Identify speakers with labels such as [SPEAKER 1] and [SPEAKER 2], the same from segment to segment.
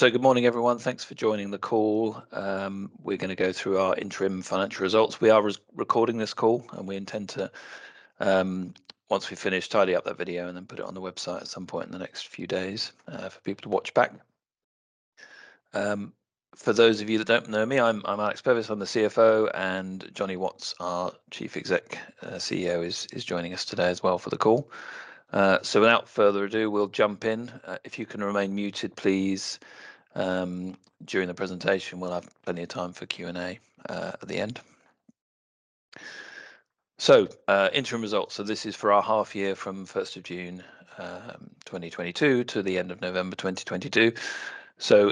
[SPEAKER 1] Good morning, everyone. Thanks for joining the call. We're gonna go through our interim financial results. We are res-recording this call, and we intend to, once we finish, tidy up that video and then put it on the website at some point in the next few days, for people to watch back. For those of you that don't know me, I'm Alex Bevis. I'm the CFO, and Jonny Watts, our Chief Exec, CEO, is joining us today as well for the call. Without further ado, we'll jump in. If you can remain muted, please, during the presentation. We'll have plenty of time for Q&A at the end. Interim results, so this is for our half year from the first of June, 2022 to the end of November 2022.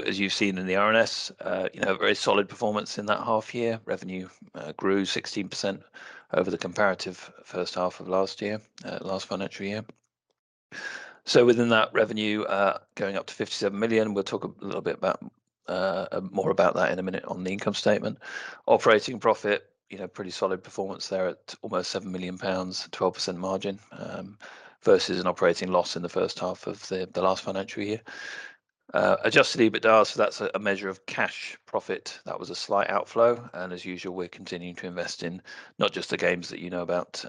[SPEAKER 1] As you've seen in the RNS, you know, very solid performance in that half year. Revenue grew 16% over the comparative first half of last year, last financial year. Within that revenue, going up to 57 million, we'll talk a little bit about more about that in a minute on the income statement. Operating profit, you know, pretty solid performance there at almost 7 million pounds, 12% margin, versus an operating loss in the first half of the last financial year. Adjusted EBITDA, so that's a measure of cash profit, that was a slight outflow. As usual, we're continuing to invest in not just the games that you know about,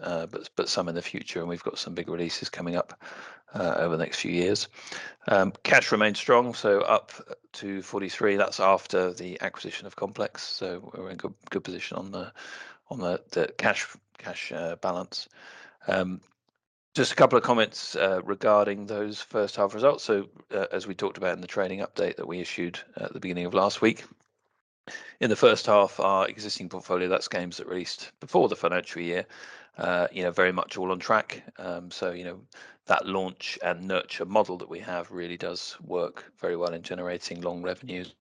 [SPEAKER 1] but some in the future, and we've got some big releases coming up over the next few years. Cash remains strong, up to 43. That's after the acquisition of Complex, we're in a good position on the cash balance. Just a couple of comments regarding those first half results. As we talked about in the trading update that we issued at the beginning of last week, in the first half, our existing portfolio, that's games that released before the financial year, you know, very much all on track. You know, that launch and nurture model that we have really does work very well in generating long revenues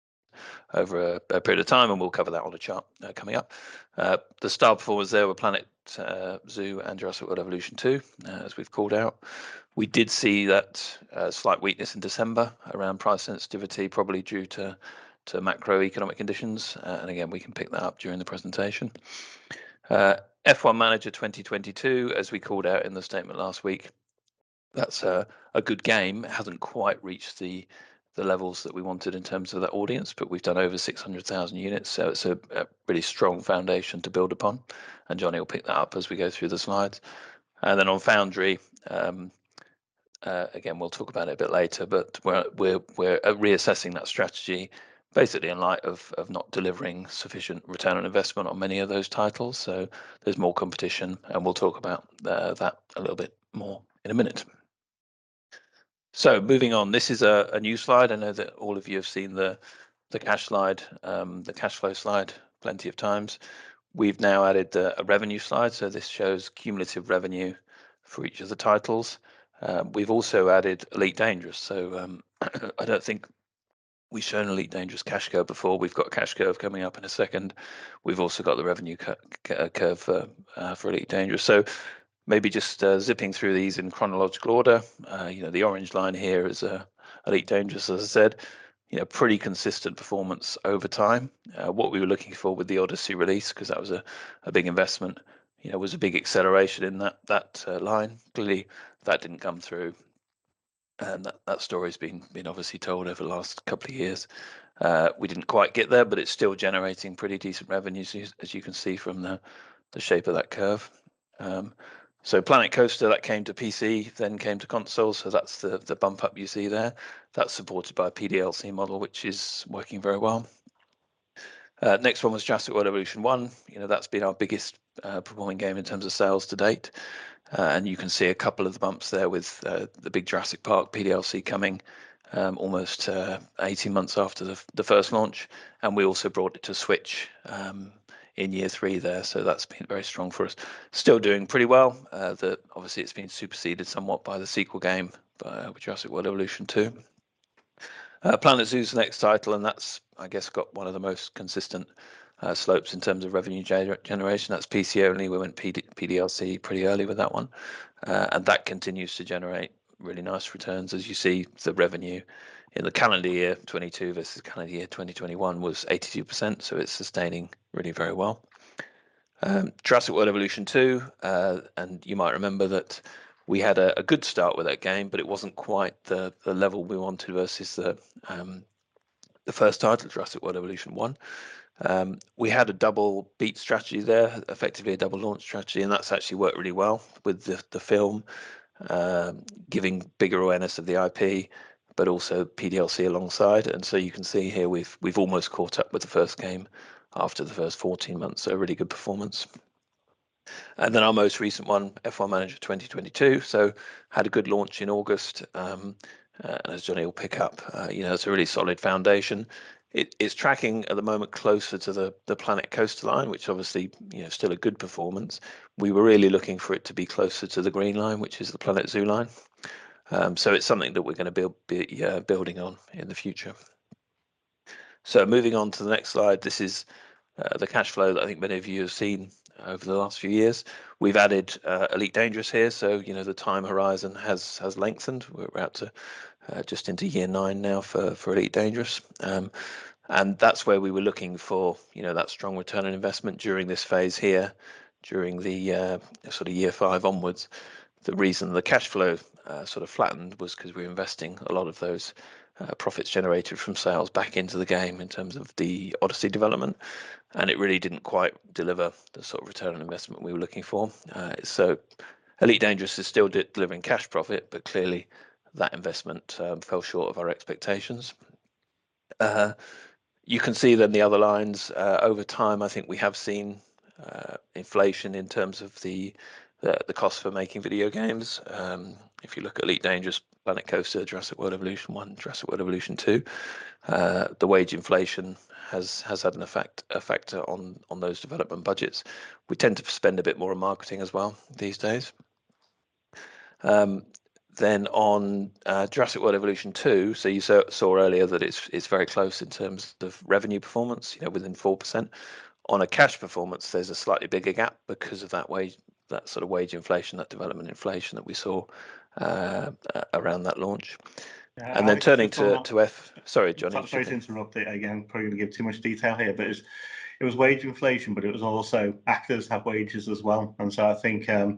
[SPEAKER 1] over a period of time, and we'll cover that on the chart coming up. The star performers there were Planet Zoo and Jurassic World Evolution two, as we've called out. We did see that slight weakness in December around price sensitivity, probably due to macroeconomic conditions. Again, we can pick that up during the presentation. F1 Manager 2022, as we called out in the statement last week, that's a good game. Hasn't quite reached the levels that we wanted in terms of that audience, but we've done over 600,000 units, so it's a pretty strong foundation to build upon. Jonny will pick that up as we go through the slides. Then on Foundry, again, we'll talk about it a bit later, but we're reassessing that strategy basically in light of not delivering sufficient ROI on many of those titles. There's more competition. We'll talk about that a little bit more in a minute. Moving on, this is a new slide. I know that all of you have seen the cash slide, the cash flow slide, plenty of times. We've now added a revenue slide, this shows cumulative revenue for each of the titles. We've also added Elite Dangerous. I don't think we've shown Elite Dangerous cash curve before. We've got a cash curve coming up in a second. We've also got the revenue curve for Elite Dangerous. Maybe just zipping through these in chronological order, you know, the orange line here is Elite Dangerous, as I said. You know, pretty consistent performance over time. What we were looking for with the Odyssey release, 'cause that was a big investment, you know, was a big acceleration in that line. Clearly, that didn't come through, that story's been obviously told over the last couple of years. We didn't quite get there, it's still generating pretty decent revenues as you can see from the shape of that curve. Planet Coaster, that came to PC, then came to console, so that's the bump up you see there. That's supported by a PDLC model, which is working very well. Next one was Jurassic World Evolution one. You know, that's been our biggest performing game in terms of sales to date, and you can see a couple of the bumps there with the big Jurassic Park PDLC coming almost 18 months after the first launch. We also brought it to Switch in year three there, so that's been very strong for us. Still doing pretty well. Obviously, it's been superseded somewhat by the sequel game with Jurassic World Evolution two. Planet Zoo's the next title, and that's, I guess, got one of the most consistent slopes in terms of revenue generation. That's PC only. We went PDLC pretty early with that one, and that continues to generate really nice returns, as you see the revenue in the calendar year 22 versus calendar year 2021 was 82%, so it's sustaining really very well. Jurassic World Evolution two, and you might remember that we had a good start with that game, but it wasn't quite the level we wanted versus the first title, Jurassic World Evolution one. We had a double-beat strategy there, effectively a double launch strategy. That's actually worked really well with the film, giving bigger awareness of the IP, but also PDLC alongside. You can see here we've almost caught up with the first game after the first 14 months, so a really good performance. Our most recent one, F1 Manager 2022, so had a good launch in August, as Jonny will pick up. You know, it's a really solid foundation. It is tracking at the moment closer to the Planet Coaster line, which obviously, you know, still a good performance. We were really looking for it to be closer to the green line, which is the Planet Zoo line, so it's something that we're gonna be building on in the future. Moving on to the next slide, this is the cash flow that I think many of you have seen over the last few years. We've added Elite Dangerous here, you know the time horizon has lengthened. We're out to just into year nine now for Elite Dangerous. That's where we were looking for, you know, that strong return on investment during this phase here, during the sort of year five onwards. The reason the cash flow sort of flattened was because we were investing a lot of those profits generated from sales back into the game in terms of the Odyssey development, it really didn't quite deliver the sort of return on investment we were looking for. Elite Dangerous is still delivering cash profit, clearly that investment fell short of our expectations. You can see then the other lines, over time, I think we have seen inflation in terms of the cost for making video games. If you look at Elite Dangerous, Planet Coaster, Jurassic World Evolution one, Jurassic World Evolution two, the wage inflation has had an effect on those development budgets. We tend to spend a bit more on marketing as well these days. Then on Jurassic World Evolution two, you saw earlier that it's very close in terms of revenue performance, you know, within 4%. On a cash performance, there's a slightly bigger gap because of that wage, that sort of wage inflation, that development inflation that we saw around that launch. Turning to F-
[SPEAKER 2] Yeah, I think from.
[SPEAKER 1] Sorry, Jonny.
[SPEAKER 2] Sorry to interrupt there again, probably gonna give too much detail here. It was wage inflation, but it was also actors' have wages as well. I think, because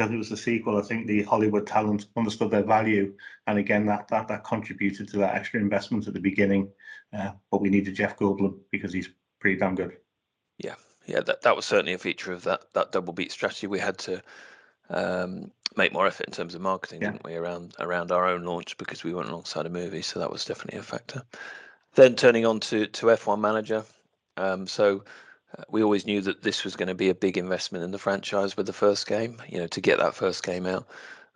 [SPEAKER 2] it was the sequel, I think the Hollywood talent understood their value, and again, that contributed to that extra investment at the beginning. We needed Jeff Goldblum because he's pretty damn good.
[SPEAKER 1] Yeah, that was certainly a feature of that double beat strategy. We had to make more of it in terms of marketing.
[SPEAKER 2] Yeah...
[SPEAKER 1] didn't we, around our own launch because we went alongside a movie, that was definitely a factor. Turning on to F1 Manager. We always knew that this was gonna be a big investment in the franchise with the first game. You know, to get that first game out,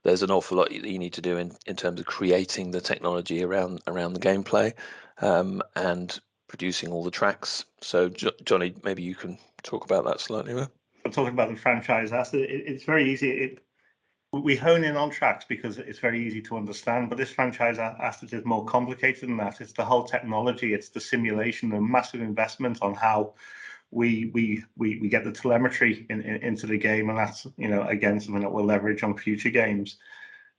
[SPEAKER 1] there's an awful lot you need to do in terms of creating the technology around the gameplay, and producing all the tracks. Jonny, maybe you can talk about that slightly more.
[SPEAKER 2] Talking about the franchise asset, it's very easy. We hone in on tracks because it's very easy to understand, but this franchise asset is more complicated than that. It's the whole technology, it's the simulation, the massive investment on how we get the telemetry into the game, and that's, you know, again, something that we'll leverage on future games.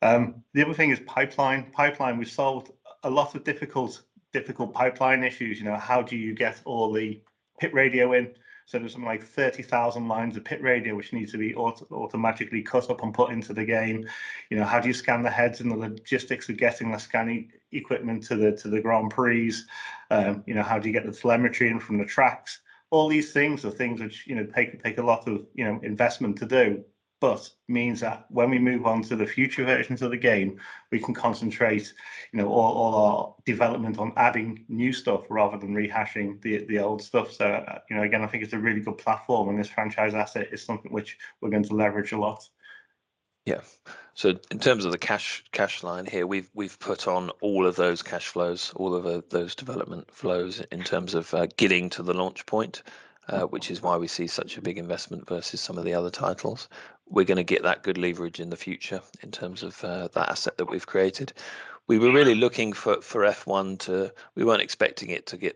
[SPEAKER 2] The other thing is pipeline. Pipeline, we solved a lot of difficult pipeline issues. You know, how do you get all the pit radio in? There's something like 30,000 lines of pit radio which needs to be automatically cut up and put into the game. You know, how do you scan the heads and the logistics of getting the scanning equipment to the Grands Prix? You know, how do you get the telemetry in from the tracks? All these things are things which, you know, take a lot of, you know, investment to do, but means that when we move on to the future versions of the game, we can concentrate, you know, all our development on adding new stuff rather than rehashing the old stuff. You know, again, I think it's a really good platform, and this franchise asset is something which we're going to leverage a lot.
[SPEAKER 1] Yeah. In terms of the cash line here, we've put on all of those cash flows, all of those development flows in terms of getting to the launch point, which is why we see such a big investment versus some of the other titles. We're gonna get that good leverage in the future in terms of that asset that we've created. We were really looking for F1. We weren't expecting it to get,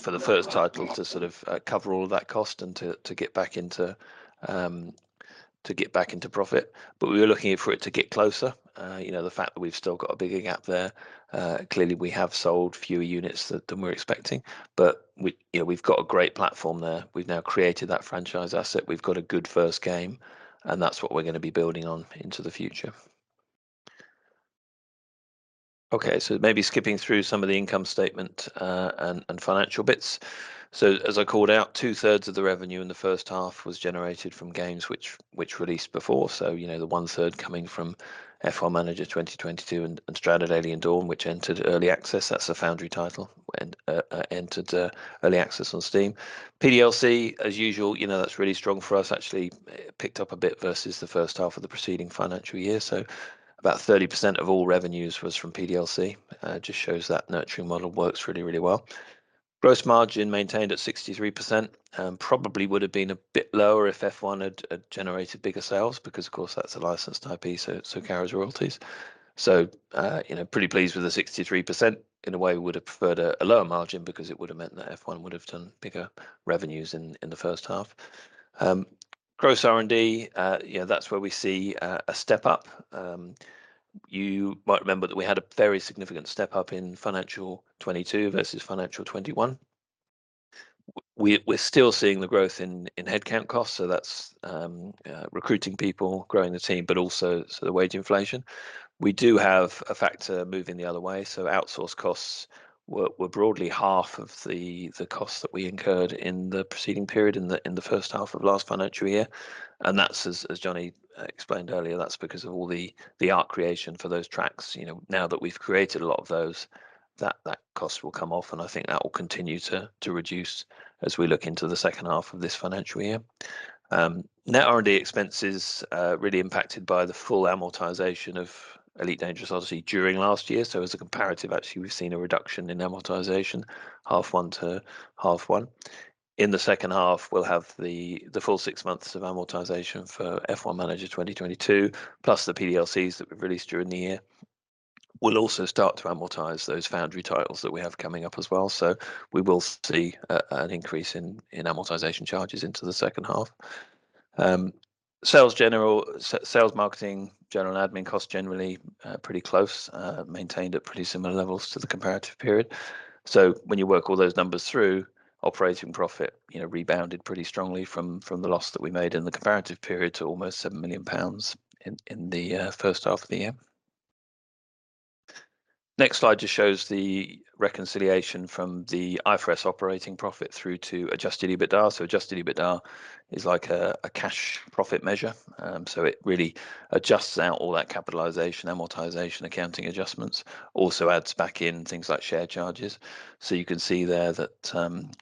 [SPEAKER 1] for the first title to sort of cover all of that cost and to get back into profit. We were looking for it to get closer. You know, the fact that we've still got a bigger gap there, clearly we have sold fewer units than we were expecting. We, you know, we've got a great platform there. We've now created that franchise asset. We've got a good first game, and that's what we're gonna be building on into the future. Okay. Maybe skipping through some of the income statement, and financial bits. As l called out, 2/3 of the revenue in the first half was generated from games which released before. You know, the 1/3 coming from F1 Manager 2022 and Stranded: Alien Dawn, which entered early access. That's a Foundry title and entered early access on Steam. PDLC, as usual, you know, that's really strong for us, actually picked up a bit versus the first half of the preceding financial year. About 30% of all revenues was from PDLC. Just shows that nurturing model works really, really well. Gross margin maintained at 63%, probably would have been a bit lower if F1 had generated bigger sales because of course that's a licensed IP, so carries royalties. You know, pretty pleased with the 63%. In a way, we would have preferred a lower margin because it would have meant that F1 would have done bigger revenues in the first half. Gross R&D, you know, that's where we see a step up. You might remember that we had a very significant step up in FY 2022 versus FY 2021. We're still seeing the growth in headcount costs, so that's recruiting people, growing the team, but also sort of wage inflation. We do have a factor moving the other way, so outsource costs were broadly half of the costs that we incurred in the preceding period in the first half of last financial year, and that's as Jonny explained earlier, that's because of all the art creation for those tracks. You know, now that we've created a lot of those, that cost will come off, and I think that will continue to reduce as we look into the second half of this financial year. Net R&D expenses really impacted by the full amortization of Elite Dangerous Odyssey during last year. As a comparative, actually, we've seen a reduction in amortization, half one to half one. In the second half, we'll have the full six months of amortization for F1 Manager 2022, plus the PDLCs that we've released during the year. We'll also start to amortize those Foundry titles that we have coming up as well. We will see an increase in amortization charges into the second half. Sales general, sales, marketing, general and admin costs generally, pretty close, maintained at pretty similar levels to the comparative period. When you work all those numbers through, operating profit, you know, rebounded pretty strongly from the loss that we made in the comparative period to almost 7 million pounds in the first half of the year. Next slide just shows the reconciliation from the IFRS operating profit through to adjusted EBITDA. Adjusted EBITDA is like a cash profit measure. It really adjusts out all that capitalization, amortization, accounting adjustments, also adds back in things like share charges. You can see there that,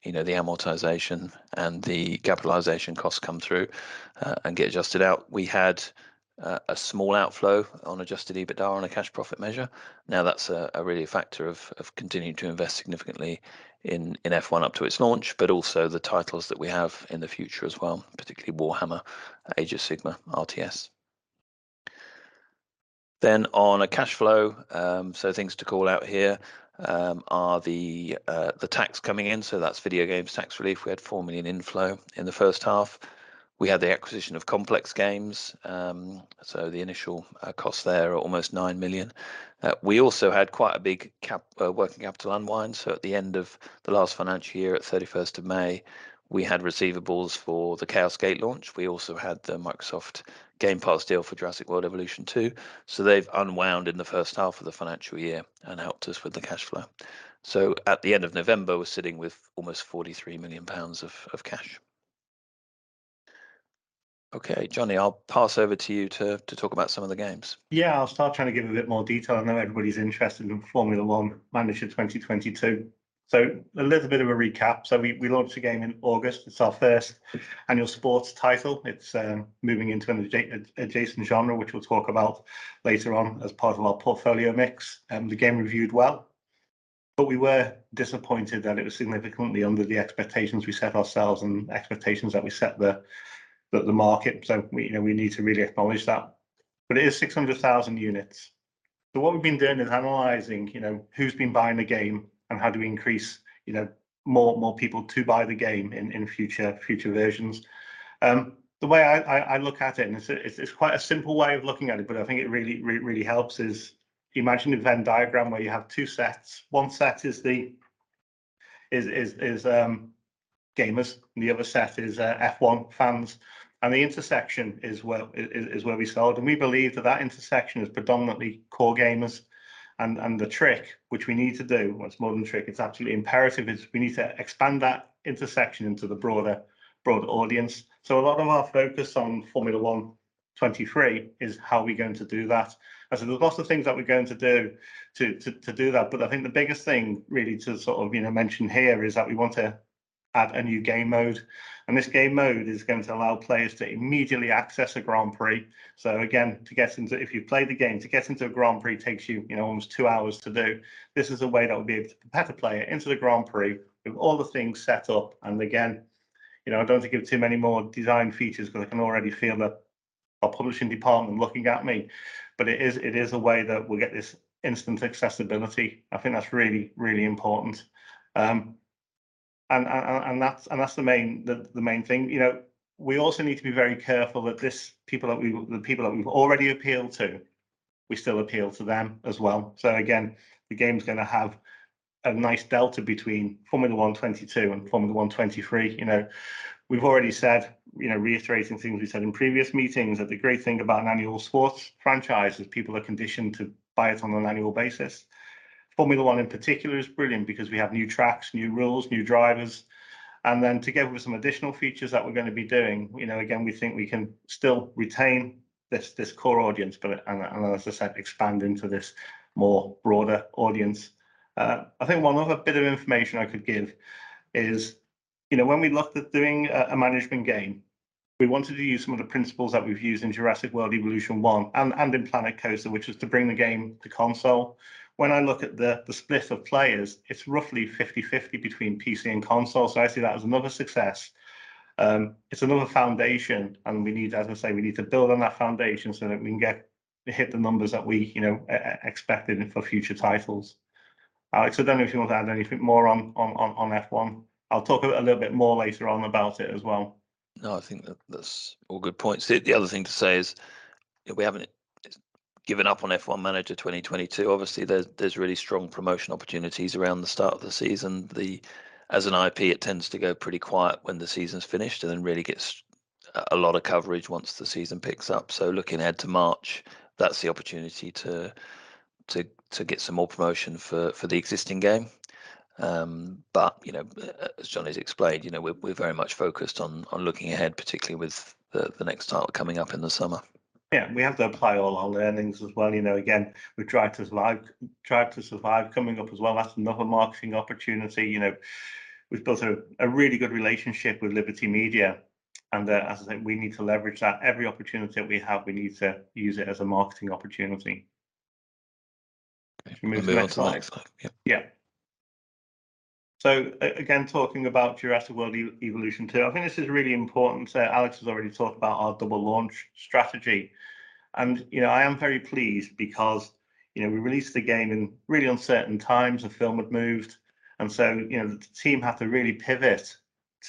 [SPEAKER 1] you know, the amortization and the capitalization costs come through and get adjusted out. We had a small outflow on adjusted EBITDA on a cash profit measure. That's really a factor of continuing to invest significantly in F1 up to its launch, but also the titles that we have in the future as well, particularly Warhammer Age of Sigmar, RTS. On a cash flow, things to call out here are the tax coming in, that's Video Games Tax Relief. We had 4 million inflow in the first half. We had the acquisition of Complex Games, the initial cost there are almost 9 million. We also had quite a big working capital unwind, so at the end of the last financial year at 31st of May, we had receivables for the Chaos Gate launch. We also had the Xbox Game Pass deal for Jurassic World Evolution two, so they've unwound in the first half of the financial year and helped us with the cash flow. At the end of November, we're sitting with almost 43 million pounds of cash. Okay, Jonny, I'll pass over to you to talk about some of the games.
[SPEAKER 2] Yeah, I'll start trying to give a bit more detail. I know everybody's interested in F1 Manager 2022. A little bit of a recap. We launched the game in August. It's our first annual sports title. It's moving into an adjacent genre, which we'll talk about later on as part of our portfolio mix, and the game reviewed well. We were disappointed that it was significantly under the expectations we set ourselves and expectations that we set the market. We, you know, we need to really acknowledge that. It is 600,000 units. What we've been doing is analyzing, you know, who's been buying the game and how do we increase, you know, more people to buy the game in future versions. The way I look at it, and it's quite a simple way of looking at it, but I think it really, really, really helps is imagine a Venn diagram where you have two sets. One set is the gamers, and the other set is F1 fans, and the intersection is where we sold. We believe that the intersection is predominantly core gamers, and the trick, which we need to do, well, it's more than a trick, it's absolutely imperative, is we need to expand that intersection into the broader audience. A lot of our focus on F1 Manager 2023 is how are we going to do that. As in, there's lots of things that we're going to do to do that. I think the biggest thing really to sort of, you know, mention here is that we want to add a new game mode. This game mode is going to allow players to immediately access a Grands Prix. Again, if you play the game, to get into a Grands Prix takes you know, almost two hours to do. This is a way that would be able to better play into the Grands Prix with all the things set up. Again, you know, I don't want to give too many more design features because I can already feel that our publishing department looking at me, but it is a way that we get this instant accessibility. I think that's really, really important. That's the main, the main thing. You know, we also need to be very careful that the people that we've already appealed to, we still appeal to them as well. Again, the game's gonna have a nice delta between F1 Manager 2022 and F1 Manager 2023. You know, we've already said, you know, reiterating things we said in previous meetings, that the great thing about an annual sports franchise is people are conditioned to buy it on an annual basis. F1 in particular is brilliant because we have new tracks, new rules, new drivers, and then together with some additional features that we're gonna be doing, you know, again, we think we can still retain this core audience, but, as I said, expand into this more broader audience. I think one other bit of information I could give is, you know, when we looked at doing a management game, we wanted to use some of the principles that we've used in Jurassic World Evolution one and in Planet Coaster, which is to bring the game to console. When I look at the split of players, it's roughly 50/50 between PC and console, I see that as another success. It's another foundation, we need, as I say, we need to build on that foundation so that we can hit the numbers that we, you know, expected for future titles. Alex, I don't know if you want to add anything more on F1. I'll talk a little bit more later on about it as well.
[SPEAKER 1] No, I think that that's all good points. The other thing to say is we haven't given up on F1 Manager 2022. Obviously, there's really strong promotion opportunities around the start of the season. As an IP, it tends to go pretty quiet when the season's finished and then really gets a lot of coverage once the season picks up. Looking ahead to March, that's the opportunity to get some more promotion for the existing game. You know, as Jonny's explained, you know, we're very much focused on looking ahead, particularly with the next title coming up in the summer.
[SPEAKER 2] Yeah, we have to apply all our learnings as well. You know, again, with Drive to Survive coming up as well, that's another marketing opportunity. You know, we've built a really good relationship with Liberty Media, and as I said, we need to leverage that. Every opportunity that we have, we need to use it as a marketing opportunity. If you move to the next slide.
[SPEAKER 1] Move on to the next slide. Yep.
[SPEAKER 2] Yeah. Again, talking about Jurassic World Evolution two, I think this is really important. Alex has already talked about our double launch strategy. You know, I am very pleased because, you know, we released the game in really uncertain times, the film had moved, and so, you know, the team had to really pivot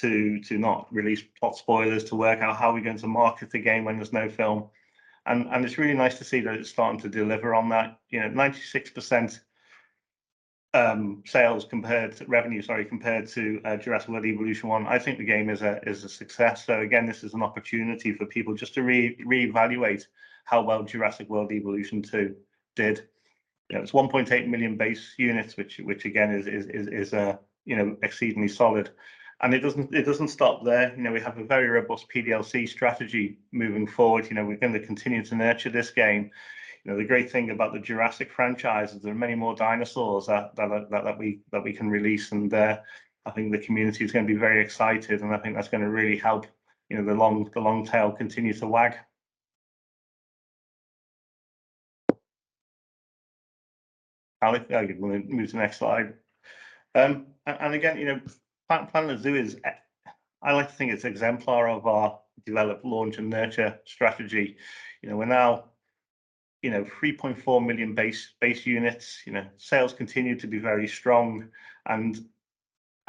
[SPEAKER 2] to not release plot spoilers, to work out how are we going to market the game when there's no film. It's really nice to see that it's starting to deliver on that. You know, 96% sales compared to revenue, sorry, compared to Jurassic World Evolution one. I think the game is a success. Again, this is an opportunity for people just to reevaluate how well Jurassic World Evolution two did. You know, it's 1.8 million base units, which again, is, you know, exceedingly solid. It doesn't stop there. You know, we have a very robust PDLC strategy moving forward. You know, we're going to continue to nurture this game. You know, the great thing about the Jurassic franchise is there are many more dinosaurs that we can release. I think the community is gonna be very excited, and I think that's gonna really help, you know, the long tail continue to wag. Alex, you can move to the next slide. And again, you know, Planet Zoo is I like to think it's exemplar of our develop, launch, and nurture strategy. You know, we're now, you know, 3.4 million base units. You know, sales continue to be very strong. You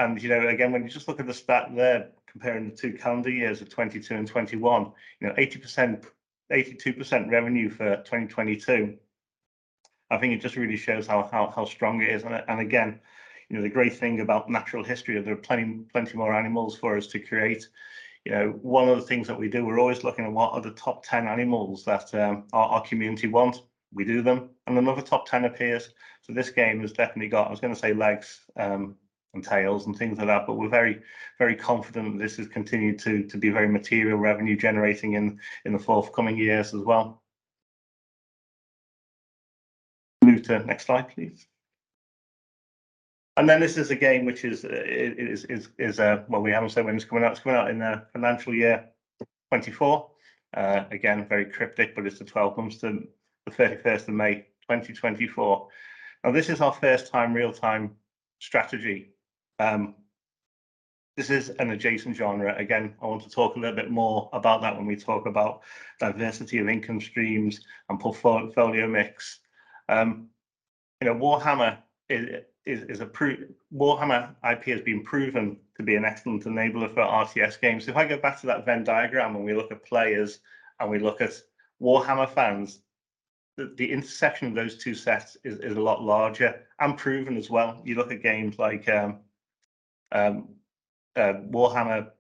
[SPEAKER 2] know, again, when you just look at the stat there, comparing the two calendar years of 2022 and 2021, you know, 82% revenue for 2022, I think it just really shows how strong it is. Again, you know, the great thing about natural history is there are plenty more animals for us to create. You know, one of the things that we do, we're always looking at what are the top 10 animals that our community want. We do them, another top 10 appears. This game has definitely got, I was gonna say legs, and tails, and things like that, but we're very confident that this has continued to be very material revenue-generating in the forthcoming years as well. Move to next slide, please. This is a game which is, we haven't said when it's coming out. It's coming out in financial year 2024. Again, very cryptic, it's the 12th to the 31st of May 2024. This is our first time real-time strategy. This is an adjacent genre. Again, I want to talk a little bit more about that when we talk about diversity of income streams and portfolio mix. You know, Warhammer IP has been proven to be an excellent enabler for RTS games. If I go back to that Venn diagram, and we look at players, and we look at Warhammer fans, the intersection of those two sets is a lot larger and proven as well. You look at games like Warhammer,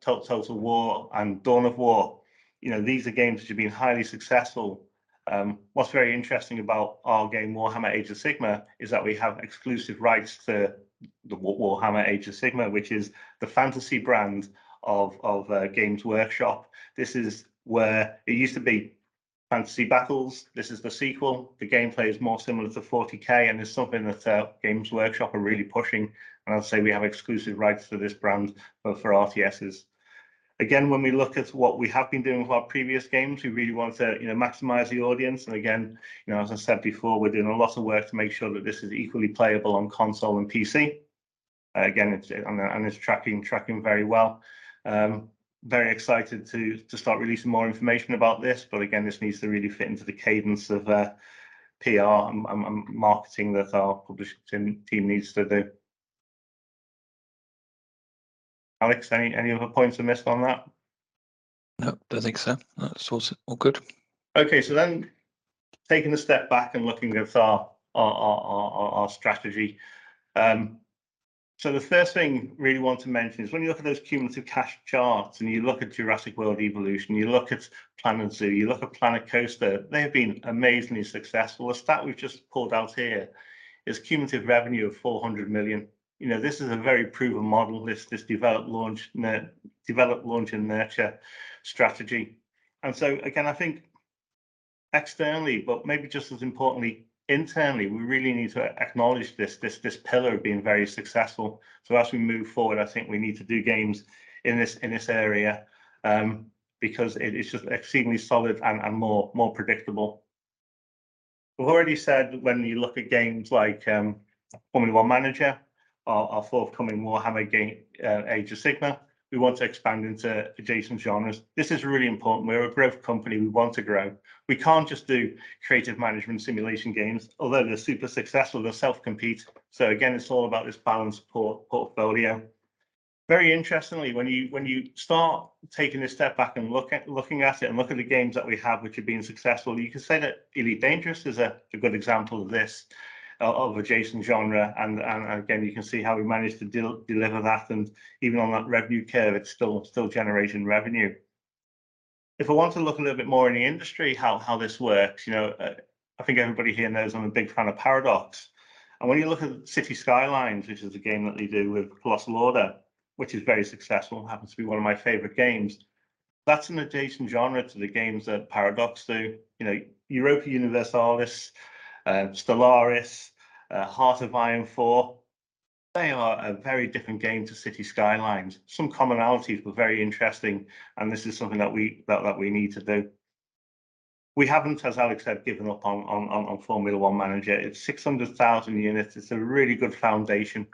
[SPEAKER 2] Total War and Dawn of War, you know, these are games which have been highly successful. What's very interesting about our game, Warhammer Age of Sigmar, is that we have exclusive rights for the Warhammer Age of Sigmar, which is the fantasy brand of Games Workshop. This is where it used to be fantasy battles. This is the sequel. The gameplay is more similar to 40K, it's something that Games Workshop are really pushing. I'll say we have exclusive rights for this brand, but for RTSs. Again, when we look at what we have been doing with our previous games, we really want to, you know, maximize the audience. Again, you know, as I said before, we're doing a lot of work to make sure that this is equally playable on console and PC. It's tracking very well. Very excited to start releasing more information about this, but again, this needs to really fit into the cadence of PR and marketing that our publishing team needs to do. Alex, any other points I missed on that?
[SPEAKER 1] No, don't think so. That's all good.
[SPEAKER 2] Taking a step back and looking at our strategy. The first thing I really want to mention is when you look at those cumulative cash charts, and you look at Jurassic World Evolution, you look at Planet Zoo, you look at Planet Coaster, they have been amazingly successful. The stat we've just pulled out here is cumulative revenue of 400 million. You know, this is a very proven model, this develop, launch, and nurture strategy. Again, I think externally, but maybe just as importantly internally, we really need to acknowledge this pillar of being very successful. As we move forward, I think we need to do games in this area, because it is just exceedingly solid and more predictable. We've already said when you look at games like F1 Manager, our forthcoming Warhammer game, Age of Sigmar, we want to expand into adjacent genres. This is really important. We're a growth company. We want to grow. We can't just do creative management simulation games. Although they're super successful, they're self-compete. Again, it's all about this balanced portfolio. Very interestingly, when you, when you start taking a step back and looking at it and look at the games that we have which have been successful, you can say that Elite Dangerous is a good example of this of adjacent genre, and again, you can see how we managed to deliver that. Even on that revenue curve, it's still generating revenue. If I want to look a little bit more in the industry, how this works, you know, I think everybody here knows I'm a big fan of Paradox. When you look at Cities: Skylines, which is a game that they do with Colossal Order, which is very successful and happens to be one of my favorite games, that's an adjacent genre to the games that Paradox do. You know, Europa Universalis, Stellaris, Hearts of Iron IV, they are a very different game to Cities: Skylines. Some commonalities were very interesting. This is something that we that we need to do. We haven't, as Alex said, given up on F1 Manager. It's 600,000 units. It's a really good foundation.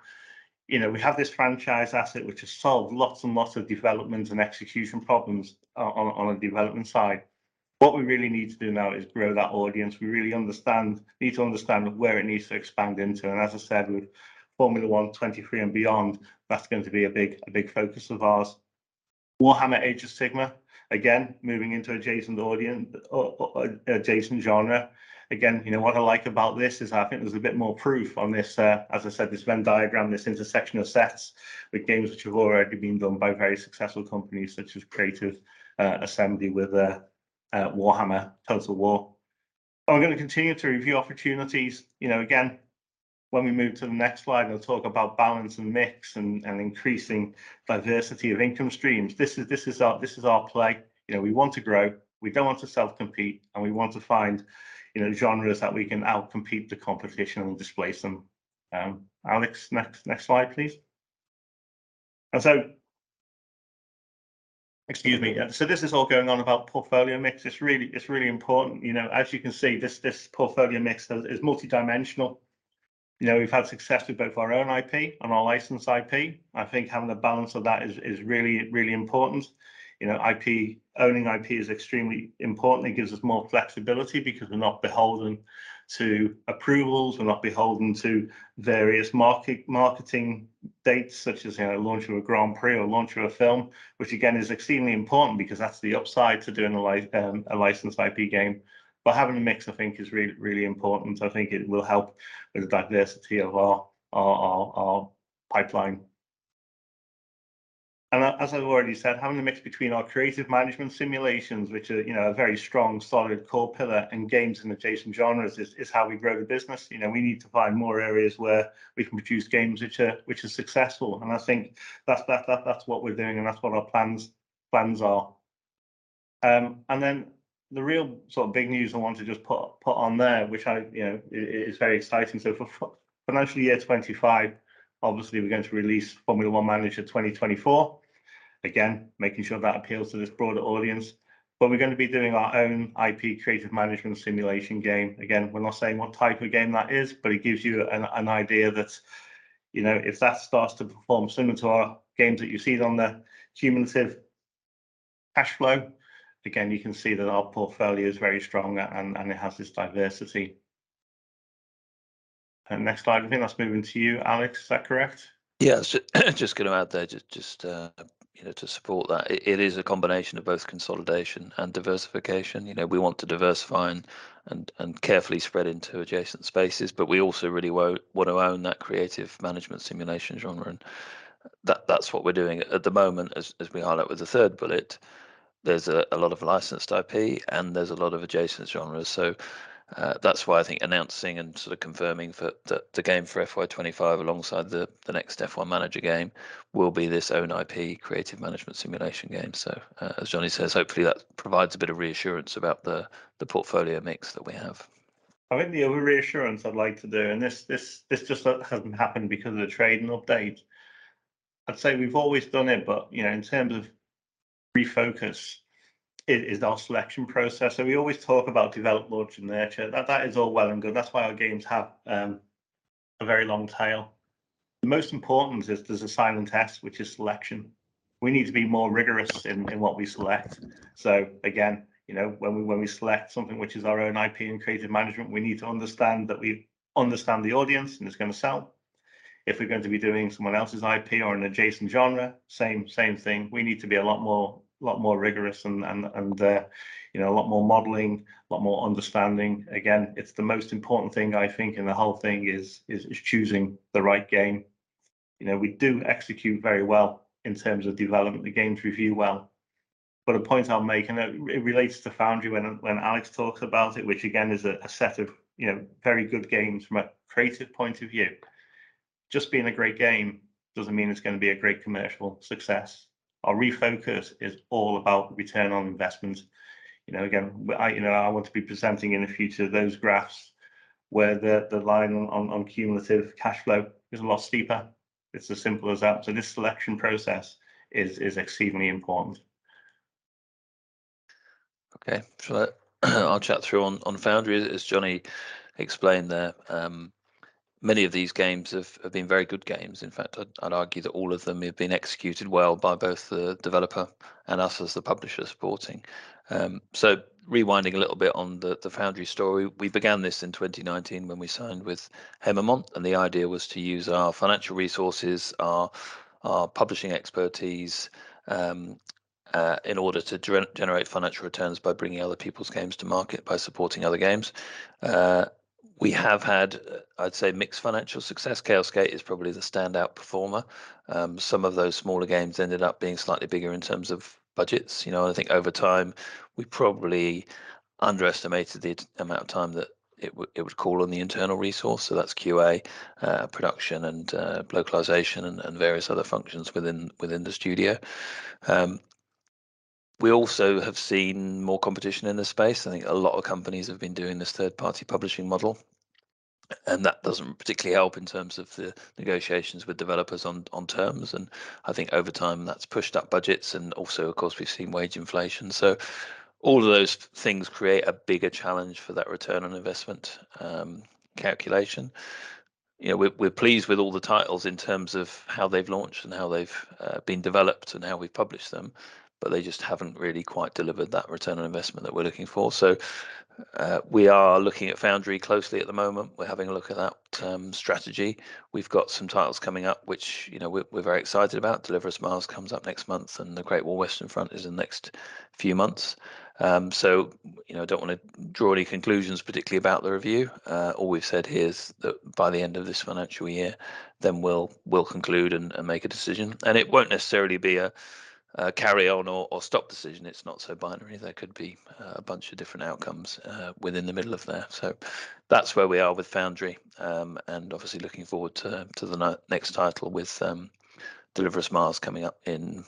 [SPEAKER 2] You know, we have this franchise asset which has solved lots and lots of development and execution problems on a development side. What we really need to do now is grow that audience. We really need to understand where it needs to expand into. As I said, with F1 Manager 2023 and beyond, that's going to be a big focus of ours. Warhammer Age of Sigmar, again, moving into adjacent genre. Again, you know, what I like about this is I think there's a bit more proof on this, as I said, this Venn diagram, this intersection of sets with games which have already been done by very successful companies such as Creative Assembly with Warhammer, Total War. We're gonna continue to review opportunities, you know, again, when we move to the next slide, and I'll talk about balance and mix and increasing diversity of income streams. This is our play. You know, we want to grow, we don't want to self-compete, and we want to find, you know, genres that we can outcompete the competition and displace them. Alex, next slide, please. Excuse me. This is all going on about portfolio mix. It's really important. You know, as you can see, this portfolio mix is multidimensional. You know, we've had success with both our own IP and our licensed IP. I think having a balance of that is really important. You know, owning IP is extremely important. It gives us more flexibility because we're not beholden to approvals. We're not beholden to various marketing dates such as, you know, launch of a Grand Prix or launch of a film, which again, is extremely important because that's the upside to doing a licensed IP game. Having a mix I think is really, really important. I think it will help with the diversity of our pipeline. As I've already said, having a mix between our creative management simulations, which are, you know, a very strong, solid core pillar, and games in adjacent genres is how we grow the business. You know, we need to find more areas where we can produce games which are successful. I think that's, that's what we're doing and that's what our plans are. The real sort of big news I want to just put on there, which I, you know, is very exciting. For FY 2025, obviously we're going to release F1 Manager 2024. Again, making sure that appeals to this broader audience. We're gonna be doing our own IP creative management simulation game. Again, we're not saying what type of game that is, but it gives you an idea that, you know, if that starts to perform similar to our games that you see on the cumulative cash flow, again, you can see that our portfolio is very strong and it has this diversity. Next slide. I think that's moving to you, Alex. Is that correct?
[SPEAKER 1] Yeah. Just gonna add there, you know, to support that. It is a combination of both consolidation and diversification. You know, we want to diversify and carefully spread into adjacent spaces, but we also really wanna own that creative management simulation genre, and that's what we're doing. At the moment, as we highlight with the third bullet, there's a lot of licensed IP and there's a lot of adjacent genres. That's why I think announcing and sort of confirming that the game for FY 2025 alongside the next F1 Manager game will be this own IP creative management simulation game. As Jonny says, hopefully that provides a bit of reassurance about the portfolio mix that we have.
[SPEAKER 2] I think the other reassurance I'd like to do, and this just hasn't happened because of the trading update, I'd say we've always done it, but you know, in terms of refocus is our selection process. We always talk about develop, launch, and nurture. That is all well and good. That's why our games have a very long tail. The most important is there's a silent S, which is selection. We need to be more rigorous in what we select. Again, you know, when we select something which is our own IP in creative management, we need to understand that we understand the audience and it's gonna sell. If we're going to be doing someone else's IP or an adjacent genre, same thing. We need to be a lot more rigorous and, you know, a lot more modeling, a lot more understanding. Again, it's the most important thing, I think, in the whole thing is choosing the right game. You know, we do execute very well in terms of development. The games review well. The point I'm making, it relates to Foundry when Alex talks about it, which again, is a set of, you know, very good games from a creative point of view. Just being a great game doesn't mean it's gonna be a great commercial success. Our refocus is all about return on investment. You know, again, I, you know, I want to be presenting in the future those graphs where the line on cumulative cash flow is a lot steeper. It's as simple as that. This selection process is exceedingly important.
[SPEAKER 1] Okay. I'll chat through on Foundry. As Jonny explained there, many of these games have been very good games. In fact, I'd argue that all of them have been executed well by both the developer and us as the publisher supporting. Rewinding a little bit on the Foundry story, we began this in 2019 when we signed with Haemimont Games, the idea was to use our financial resources, our publishing expertise, in order to generate financial returns by bringing other people's games to market, by supporting other games. We have had, I'd say, mixed financial success. Chaos Gate is probably the standout performer. Some of those smaller games ended up being slightly bigger in terms of budgets. You know, I think over time we probably underestimated the amount of time that it would call on the internal resource, so that's QA, production and localization and various other functions within the studio. We also have seen more competition in this space. I think a lot of companies have been doing this third-party publishing model, that doesn't particularly help in terms of the negotiations with developers on terms. I think over time, that's pushed up budgets and also, of course, we've seen wage inflation. All of those things create a bigger challenge for that return on investment, calculation. You know, we're pleased with all the titles in terms of how they've launched and how they've been developed and how we've published them, but they just haven't really quite delivered that return on investment that we're looking for. We are looking at Foundry closely at the moment. We're having a look at that strategy. We've got some titles coming up, which, you know, we're very excited about. Deliver Us Mars comes up next month, and The Great War: Western Front is in the next few months. You know, don't wanna draw any conclusions particularly about the review. All we've said here is that by the end of this financial year, then we'll conclude and make a decision. It won't necessarily be a carry on or stop decision. It's not so binary. There could be a bunch of different outcomes within the middle of there. That's where we are with Foundry, and obviously looking forward to the next title with Deliver Us Mars coming up in,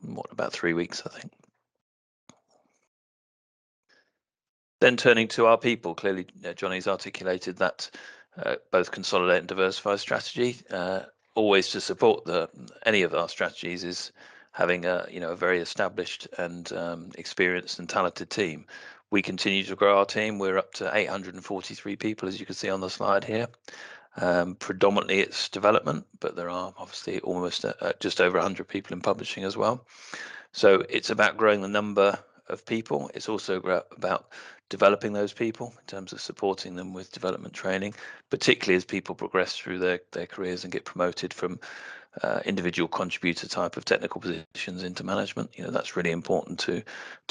[SPEAKER 1] what, about three weeks, I think. Turning to our people, clearly, you know, Jonny's articulated that both consolidate and diversify strategy, always to support any of our strategies is having a, you know, a very established and experienced and talented team. We continue to grow our team. We're up to 843 people, as you can see on the slide here. Predominantly, it's development, but there are obviously almost just over 100 people in publishing as well. It's about growing the number of people. It's also about developing those people in terms of supporting them with development training, particularly as people progress through their careers and get promoted from individual contributor-type of technical positions into management. You know, that's really important to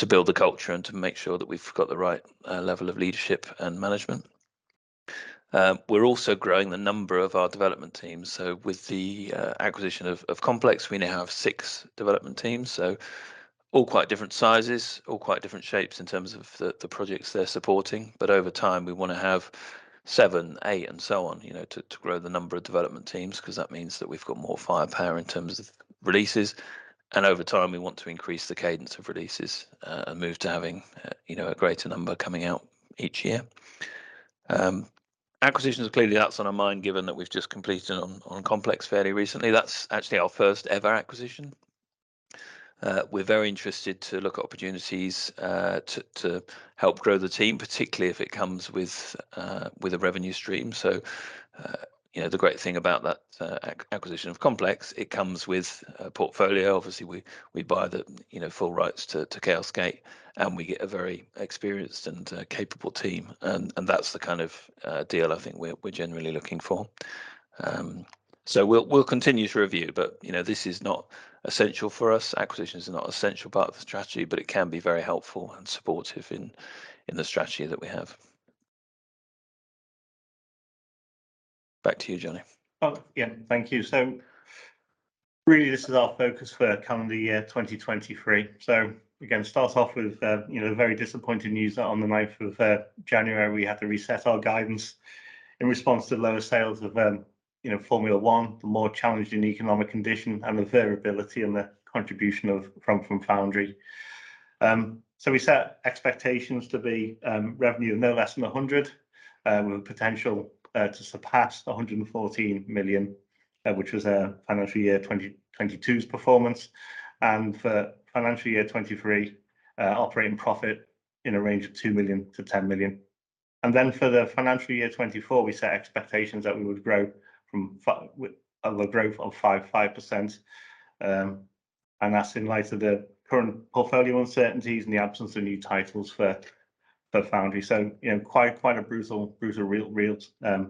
[SPEAKER 1] build the culture and to make sure that we've got the right level of leadership and management. We're also growing the number of our development teams. With the acquisition of Complex, we now have six development teams. All quite different sizes, all quite different shapes in terms of the projects they're supporting. Over time, we wanna have seven, eight and so on, you know, to grow the number of development teams, 'cause that means that we've got more firepower in terms of releases. Over time, we want to increase the cadence of releases, and move to having, you know, a greater number coming out each year. Acquisitions, clearly that's on our mind, given that we've just completed on Complex fairly recently. That's actually our first ever acquisition. We're very interested to look at opportunities, to help grow the team, particularly if it comes with a revenue stream. You know, the great thing about that acquisition of Complex, it comes with a portfolio. Obviously, we buy the, you know, full rights to Chaos Gate, and we get a very experienced and capable team, and that's the kind of deal I think we're generally looking for. We'll, we'll continue to review, but, you know, this is not essential for us. Acquisitions are not an essential part of the strategy, but it can be very helpful and supportive in the strategy that we have. Back to you, Jonny.
[SPEAKER 2] Oh, yeah. Thank you. Really this is our focus for calendar year 2023. Again, start off with, you know, very disappointing news that on the 9th of January, we had to reset our guidance in response to lower sales of, you know, F1, the more challenging economic condition and the variability and the contribution from Foundry. We set expectations to be revenue of no less than 100, with potential to surpass 114 million, which was our financial year 2022's performance. For financial year 2023, operating profit in a range of 2 million-10 million. For FY 2024, we set expectations that we would grow a growth of 5%, that's in light of the current portfolio uncertainties and the absence of new titles for Foundry. You know, quite a brutal real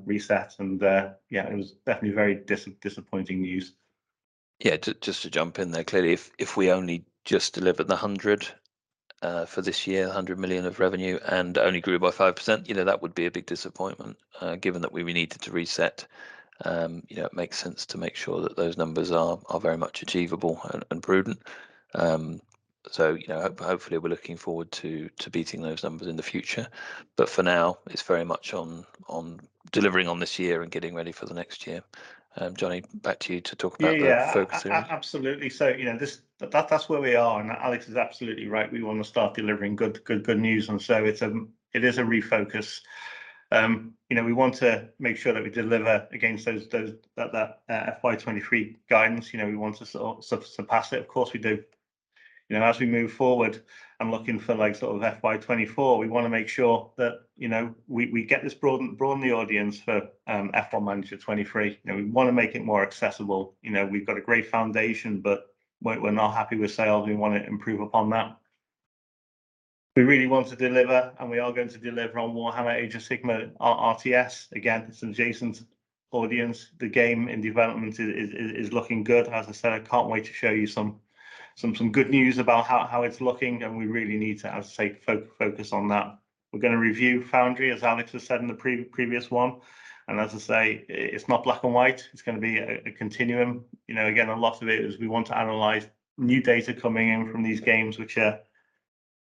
[SPEAKER 2] reset. Yeah, it was definitely very disappointing news.
[SPEAKER 1] Yeah, just to jump in there, clearly, if we only just delivered the 100 million of revenue and only grew by 5%, you know, that would be a big disappointment, given that we needed to reset. You know, it makes sense to make sure that those numbers are very much achievable and prudent. You know, hopefully we're looking forward to beating those numbers in the future. For now, it's very much on delivering on this year and getting ready for the next year. Jonny, back to you to talk about the focusing.
[SPEAKER 2] Absolutely. You know, that's where we are, Alex Bevis is absolutely right. We want to start delivering good news. It is a refocus. You know, we want to make sure that we deliver against those that FY 2023 guidance. You know, we want to surpass it, of course we do. You know, as we move forward and looking for like sort of FY 2024, we want to make sure that, you know, we get this broaden the audience for F1 Manager 2023. You know, we want to make it more accessible. You know, we've got a great foundation, but we're not happy with sales. We want to improve upon that. We really want to deliver, we are going to deliver on Warhammer Age of Sigmar RTS. Again, it's an adjacent audience. The game in development is looking good. As I said, I can't wait to show you some good news about how it's looking, and we really need to, as I say, focus on that. We're gonna review Frontier Foundry, as Alex has said in the previous one. As I say, it's not black and white, it's gonna be a continuum. You know, again, a lot of it is we want to analyze new data coming in from these games which are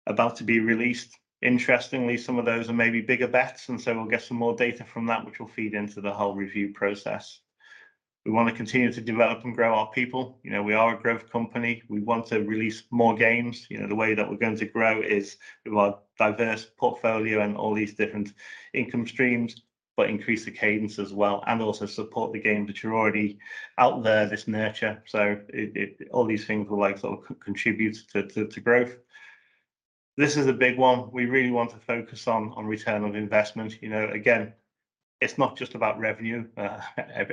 [SPEAKER 2] about to be released. Interestingly, some of those are maybe bigger bets, we'll get some more data from that which will feed into the whole review process. We wanna continue to develop and grow our people. You know, we are a growth company. We want to release more games. You know, the way that we're going to grow is through our diverse portfolio and all these different income streams, increase the cadence as well and also support the games which are already out there, this nurture. All these things will like sort of contribute to growth. This is a big one we really want to focus on return on investment. You know, again, it's not just about revenue.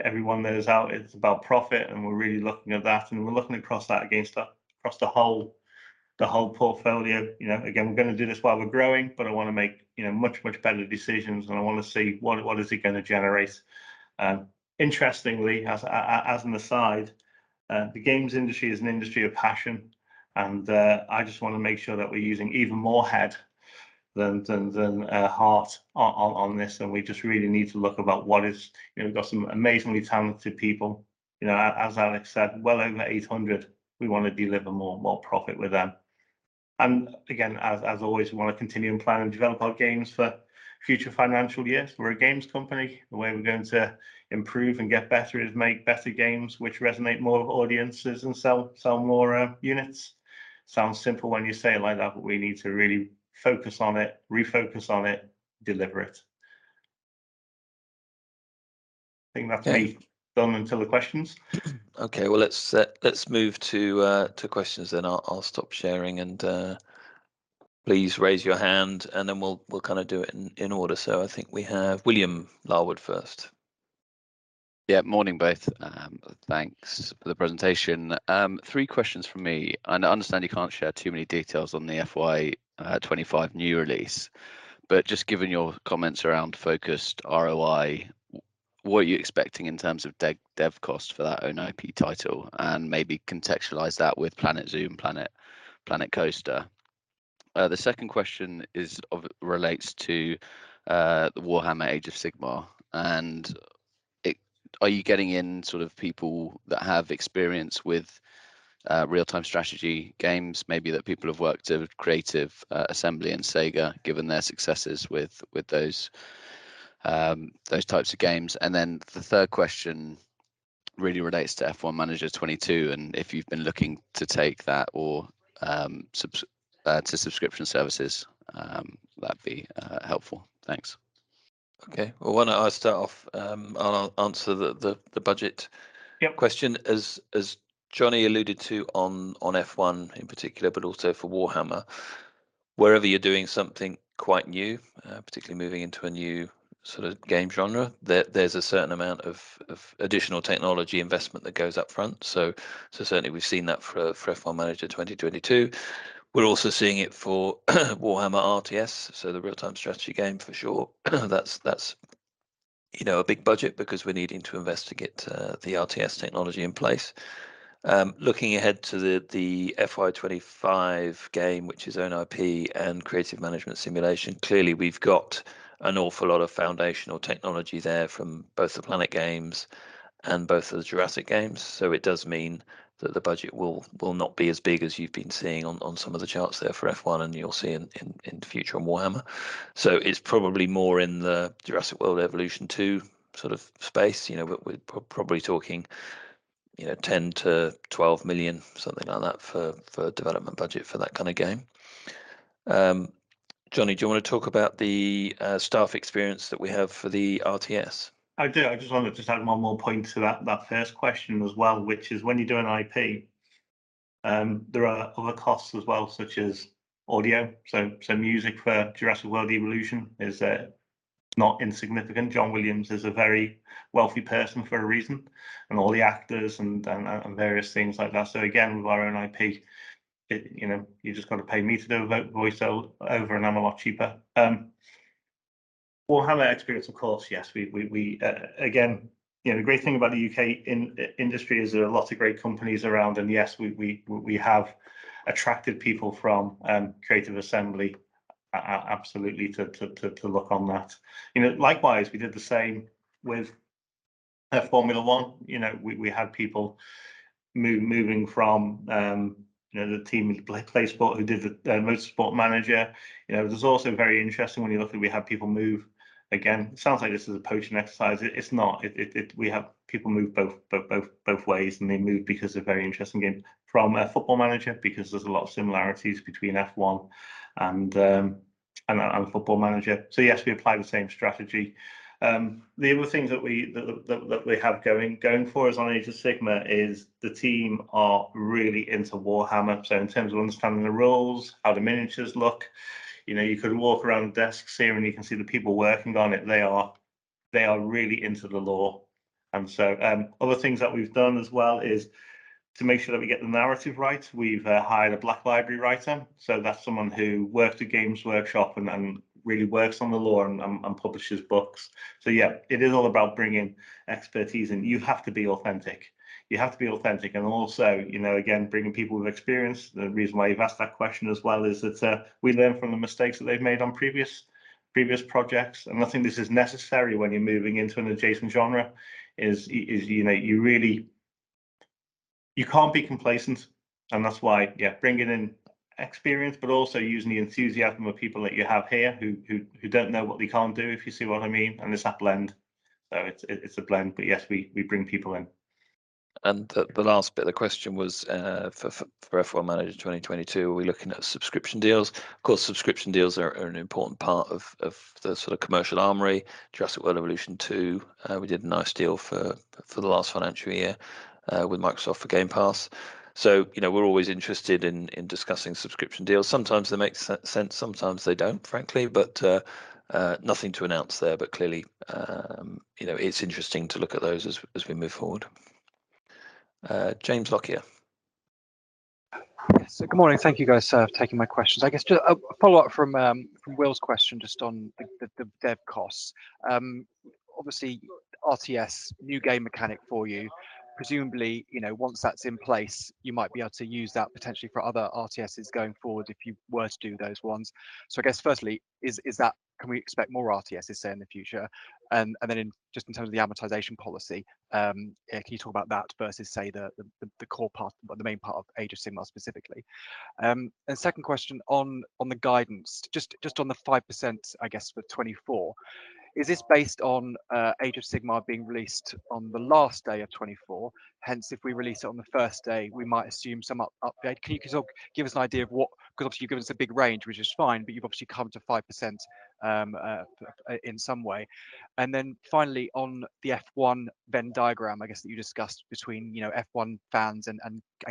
[SPEAKER 2] Everyone knows how it's about profit, we're really looking at that, and we're looking across that against across the whole portfolio. You know, again, we're gonna do this while we're growing, I wanna make, you know, much better decisions, I wanna see what is it gonna generate. Interestingly, as an aside, the games industry is an industry of passion, and I just wanna make sure that we're using even more head than heart on this. We just really need to look about what is. You know, we've got some amazingly talented people, you know, as Alex said, well over 800, we wanna deliver more profit with them. Again, as always, we wanna continue, and plan, and develop our games for future financial years. We're a games company, the way we're going to improve and get better is make better games which resonate more with audiences and sell more units. Sounds simple when you say it like that, but we need to really focus on it, refocus on it, deliver it. Think that's me done until the questions.
[SPEAKER 1] Okay. Well, let's move to questions then. I'll stop sharing, and please raise your hand, and then we'll kinda do it in order. I think we have William Larwood first.
[SPEAKER 3] Yeah. Morning, both. Thanks for the presentation. Three questions from me. I understand you can't share too many details on the FY 2025 new release, but just given your comments around focused ROI, what are you expecting in terms of de-dev costs for that own IP title? Maybe contextualize that with Planet Zoo and Planet Coaster. The second question relates to the Warhammer Age of Sigmar, are you getting in sort of people that have experience with real-time strategy games? Maybe that people have worked at Creative Assembly and Sega, given their successes with those types of games. The third question really relates to F1 Manager 2022 and if you've been looking to take that or sub to subscription services, that'd be helpful. Thanks.
[SPEAKER 1] Okay. why don't I start off? I'll answer the.
[SPEAKER 2] Yep.
[SPEAKER 1] Question. As Jonny alluded to on F1 in particular, but also for Warhammer, wherever you're doing something quite new, particularly moving into a new sort of game genre, there's a certain amount of additional technology investment that goes up front. Certainly, we've seen that for F1 Manager 2022. We're also seeing it for Warhammer RTS, so the real-time strategy game for sure. That's, you know, a big budget because we needing to invest to get the RTS technology in place. Looking ahead to the FY 2025 game, which is own IP and creative management simulation, clearly we've got an awful lot of foundational technology there from both the Planet games and both the Jurassic games, it does mean that the budget will not be as big as you've been seeing on some of the charts there for F1 and you'll see in the future on Warhammer. It's probably more in the Jurassic World Evolution two sort of space, you know, but we're probably talking, you know, 10 million-12 million, something like that for development budget for that kind of game. Jonny, do you wanna talk about the staff experience that we have for the RTS?
[SPEAKER 2] I do. I just wanted to add one more point to that first question as well, which is when you're doing IP, there are other costs as well, such as audio. Music for Jurassic World Evolution is not insignificant. John Williams is a very wealthy person for a reason, and all the actors and various things like that. Again, with our own IP, you know, you just gotta pay me to do voiceover, and I'm a lot cheaper. Warhammer experience, of course, yes. We, again, you know, the great thing about the U.K. industry is there are lots of great companies around. Yes, we have attracted people from Creative Assembly, absolutely, to look on that. You know, likewise, we did the same with F1. You know, we had people moving from, you know, the team at Playsport who did the Motorsport Manager. You know, it was also very interesting when you look at we had people. Again, it sounds like this is a poaching exercise. It's not. We have people move both ways, and they move because they're very interesting games. From Football Manager because there's a lot of similarities between F1 and Football Manager. Yes, we apply the same strategy. The other things that we have going for us on Age of Sigmar is the team are really into Warhammer, so in terms of understanding the rules, how the miniatures look. You know, you could walk around desks here, and you can see the people working on it. They are really into the lore. Other things that we've done as well is to make sure that we get the narrative right, we've hired a Black Library writer. That's someone who worked at Games Workshop and really works on the lore and publishes books. Yeah, it is all about bringing expertise in. You have to be authentic. You have to be authentic, and also, you know, again, bringing people with experience. The reason why you've asked that question as well is that we learn from the mistakes that they've made on previous projects. I think this is necessary when you're moving into an adjacent genre is, you know, you can't be complacent, and that's why, yeah, bringing in experience but also using the enthusiasm of people that you have here who don't know what they can't do, if you see what I mean, and this blend. It's a blend, but yes, we bring people in.
[SPEAKER 1] The last bit of the question was for F1 Manager 2022, are we looking at subscription deals? Of course, subscription deals are an important part of the sort of commercial armory. Jurassic World Evolution two, we did a nice deal for the last financial year with Microsoft for Game Pass. You know, we're always interested in discussing subscription deals. Sometimes they make sense, sometimes they don't, frankly. Nothing to announce there, but clearly, you know, it's interesting to look at those as we move forward. James Lockyer.
[SPEAKER 4] Yes. Good morning. Thank you, guys, for taking my questions. I guess just a follow-up from Will's question just on the dev costs. Obviously, RTS, new game mechanic for you. Presumably, you know, once that's in place, you might be able to use that potentially for other RTSs going forward if you were to do those ones. I guess firstly, can we expect more RTSs, say, in the future? Then, just in terms of the amortization policy, can you talk about that versus, say, the core part or the main part of Age of Sigmar specifically? Second question on the guidance, just on the 5%, I guess, for 2024. Is this based on Age of Sigmar being released on the last day of 2024? Hence, if we release it on the first day, we might assume some up-upgrade. Can you give us an idea of what 'cause obviously you've given us a big range, which is fine, but you've obviously come to 5% in some way? Finally, on the F1 Venn diagram, I guess, that you discussed between, you know, F1 fans and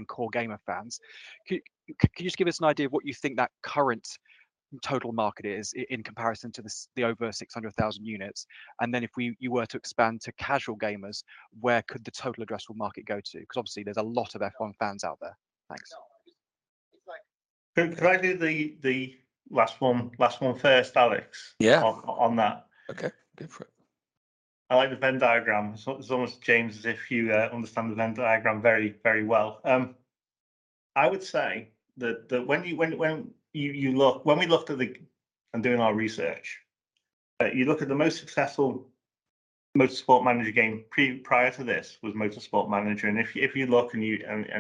[SPEAKER 4] core gamer fans. Can you just give us an idea of what you think that current total market is in comparison to the over 600,000 units? If you were to expand to casual gamers, where could the total addressable market go to? Obviously, there's a lot of F1 fans out there. Thanks.
[SPEAKER 2] Can I do the last one first, Alex Bevis.
[SPEAKER 1] Yeah
[SPEAKER 2] on that?
[SPEAKER 1] Okay. Go for it.
[SPEAKER 2] I like the Venn diagram. It's almost, James, as if you understand the Venn diagram very, very well. I would say that when we looked at the and doing our research, you look at the most successful Motorsport Manager game prior to this was Motorsport Manager. If you look, and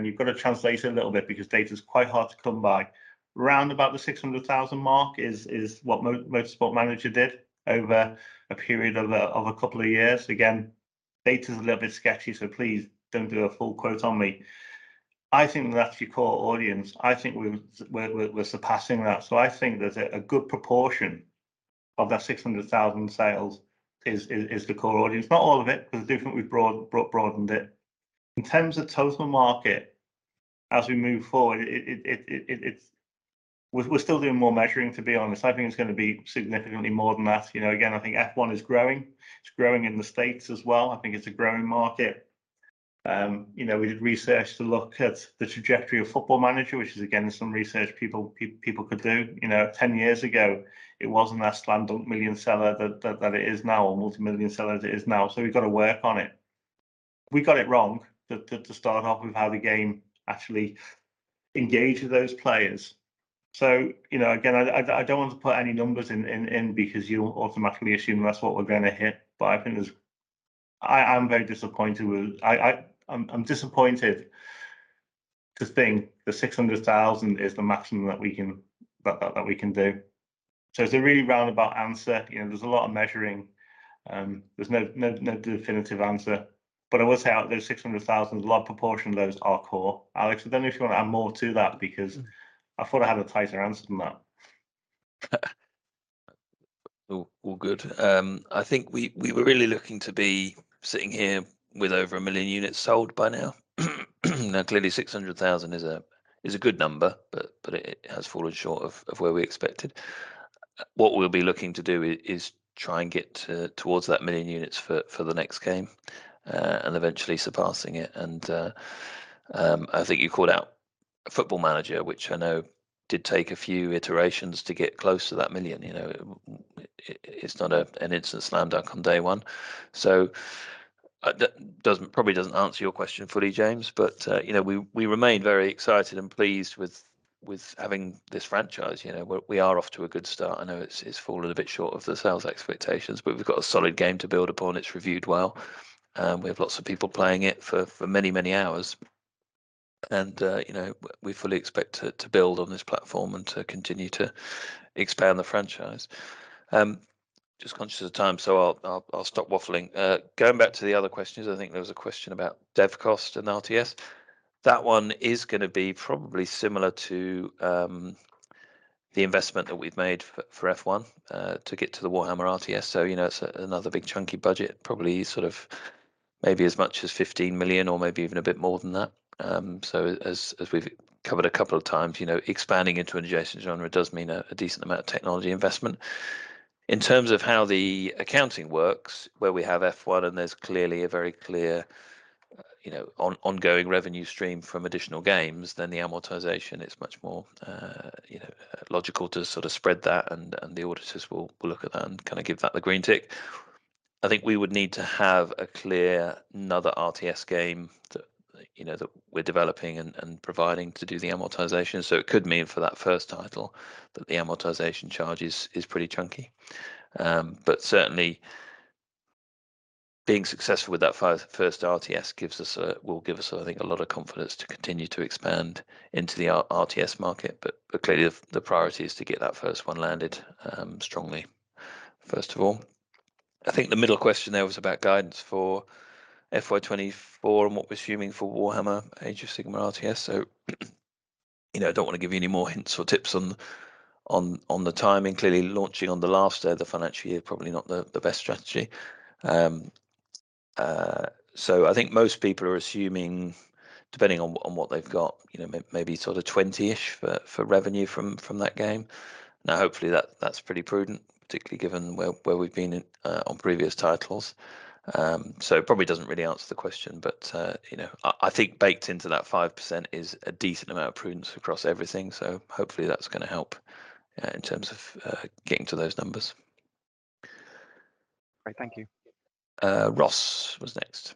[SPEAKER 2] you've got to translate it a little bit because data's quite hard to come by, around about the 600,000 mark is what Motorsport Manager did over a period of a couple of years. Again, data's a little bit sketchy, so please don't do a full quote on me. I think that's your core audience. I think we're surpassing that. I think that a good proportion of that 600,000 sales is the core audience. Not all of it, because definitely we've broadened it. In terms of total market, as we move forward, it's we're still doing more measuring, to be honest. I think it's gonna be significantly more than that. You know, again, I think F1 is growing. It's growing in the States as well. I think it's a growing market. You know, we did research to look at the trajectory of Football Manager, which is again, some research people could do. You know, 10 years ago, it wasn't that slam dunk million seller that it is now or multimillion seller that it is now. We've got to work on it. We got it wrong to start off with how the game actually engaged those players. You know, again, I don't want to put any numbers in because you'll automatically assume that's what we're gonna hit. I think I'm very disappointed with I'm disappointed to think that 600,000 is the maximum that we can do. It's a really roundabout answer. You know, there's a lot of measuring. There's no definitive answer. I will say of those 600,000, a large proportion of those are core. Alex, I don't know if you want to add more to that because I thought I had a tighter answer than that.
[SPEAKER 1] All good. I think we were really looking to be sitting here with over 1 million units sold by now. Clearly, 600,000 is a good number, but it has fallen short of where we expected. What we'll be looking to do is try, and get towards that 1 million units for the next game, and eventually surpassing it. I think you called out Football Manager, which I know did take a few iterations to get close to that 1 million. You know, it's not an instant slam dunk on day one. That probably doesn't answer your question fully, James, but you know, we remain very excited and pleased with having this franchise. You know, we are off to a good start. I know it's fallen a bit short of the sales expectations. We've got a solid game to build upon. It's reviewed well, we have lots of people playing it for many hours. You know, we fully expect to build on this platform and to continue to expand the franchise. Just conscious of time, I'll stop waffling. Going back to the other questions, I think there was a question about dev cost and RTS. That one is gonna be probably similar to the investment that we've made for F1, to get to the Warhammer RTS. You know, it's another big chunky budget, probably sort of maybe as much as 15 million or maybe even a bit more than that. As we've covered a couple of times, you know, expanding into a adjacent genre does mean a decent amount of technology investment. In terms of how the accounting works, where we have F1, and there's clearly a very clear, you know, ongoing revenue stream from additional games than the amortization, it's much more, you know, logical to sort of spread that, and the auditors will look at that and kind of give that the green tick. I think we would need to have a clear another RTS game that, you know, that we're developing and providing to do the amortization. It could mean for that first title that the amortization charge is pretty chunky. Certainly being successful with that first RTS will give us, I think, a lot of confidence to continue to expand into the RTS market. Clearly the priority is to get that first one landed strongly, first of all. I think the middle question there was about guidance for FY 2024 and what we're assuming for Warhammer Age of Sigmar RTS. You know, don't wanna give you any more hints or tips on the timing. Clearly launching on the last day of the financial year, probably not the best strategy. I think most people are assuming, depending on what they've got, you know, maybe sort of 20-ish for revenue from that game. Hopefully that's pretty prudent, particularly given where we've been at on previous titles. It probably doesn't really answer the question, but, you know, I think baked into that 5% is a decent amount of prudence across everything, so hopefully that's gonna help in terms of getting to those numbers.
[SPEAKER 4] Great. Thank you.
[SPEAKER 1] Ross was next.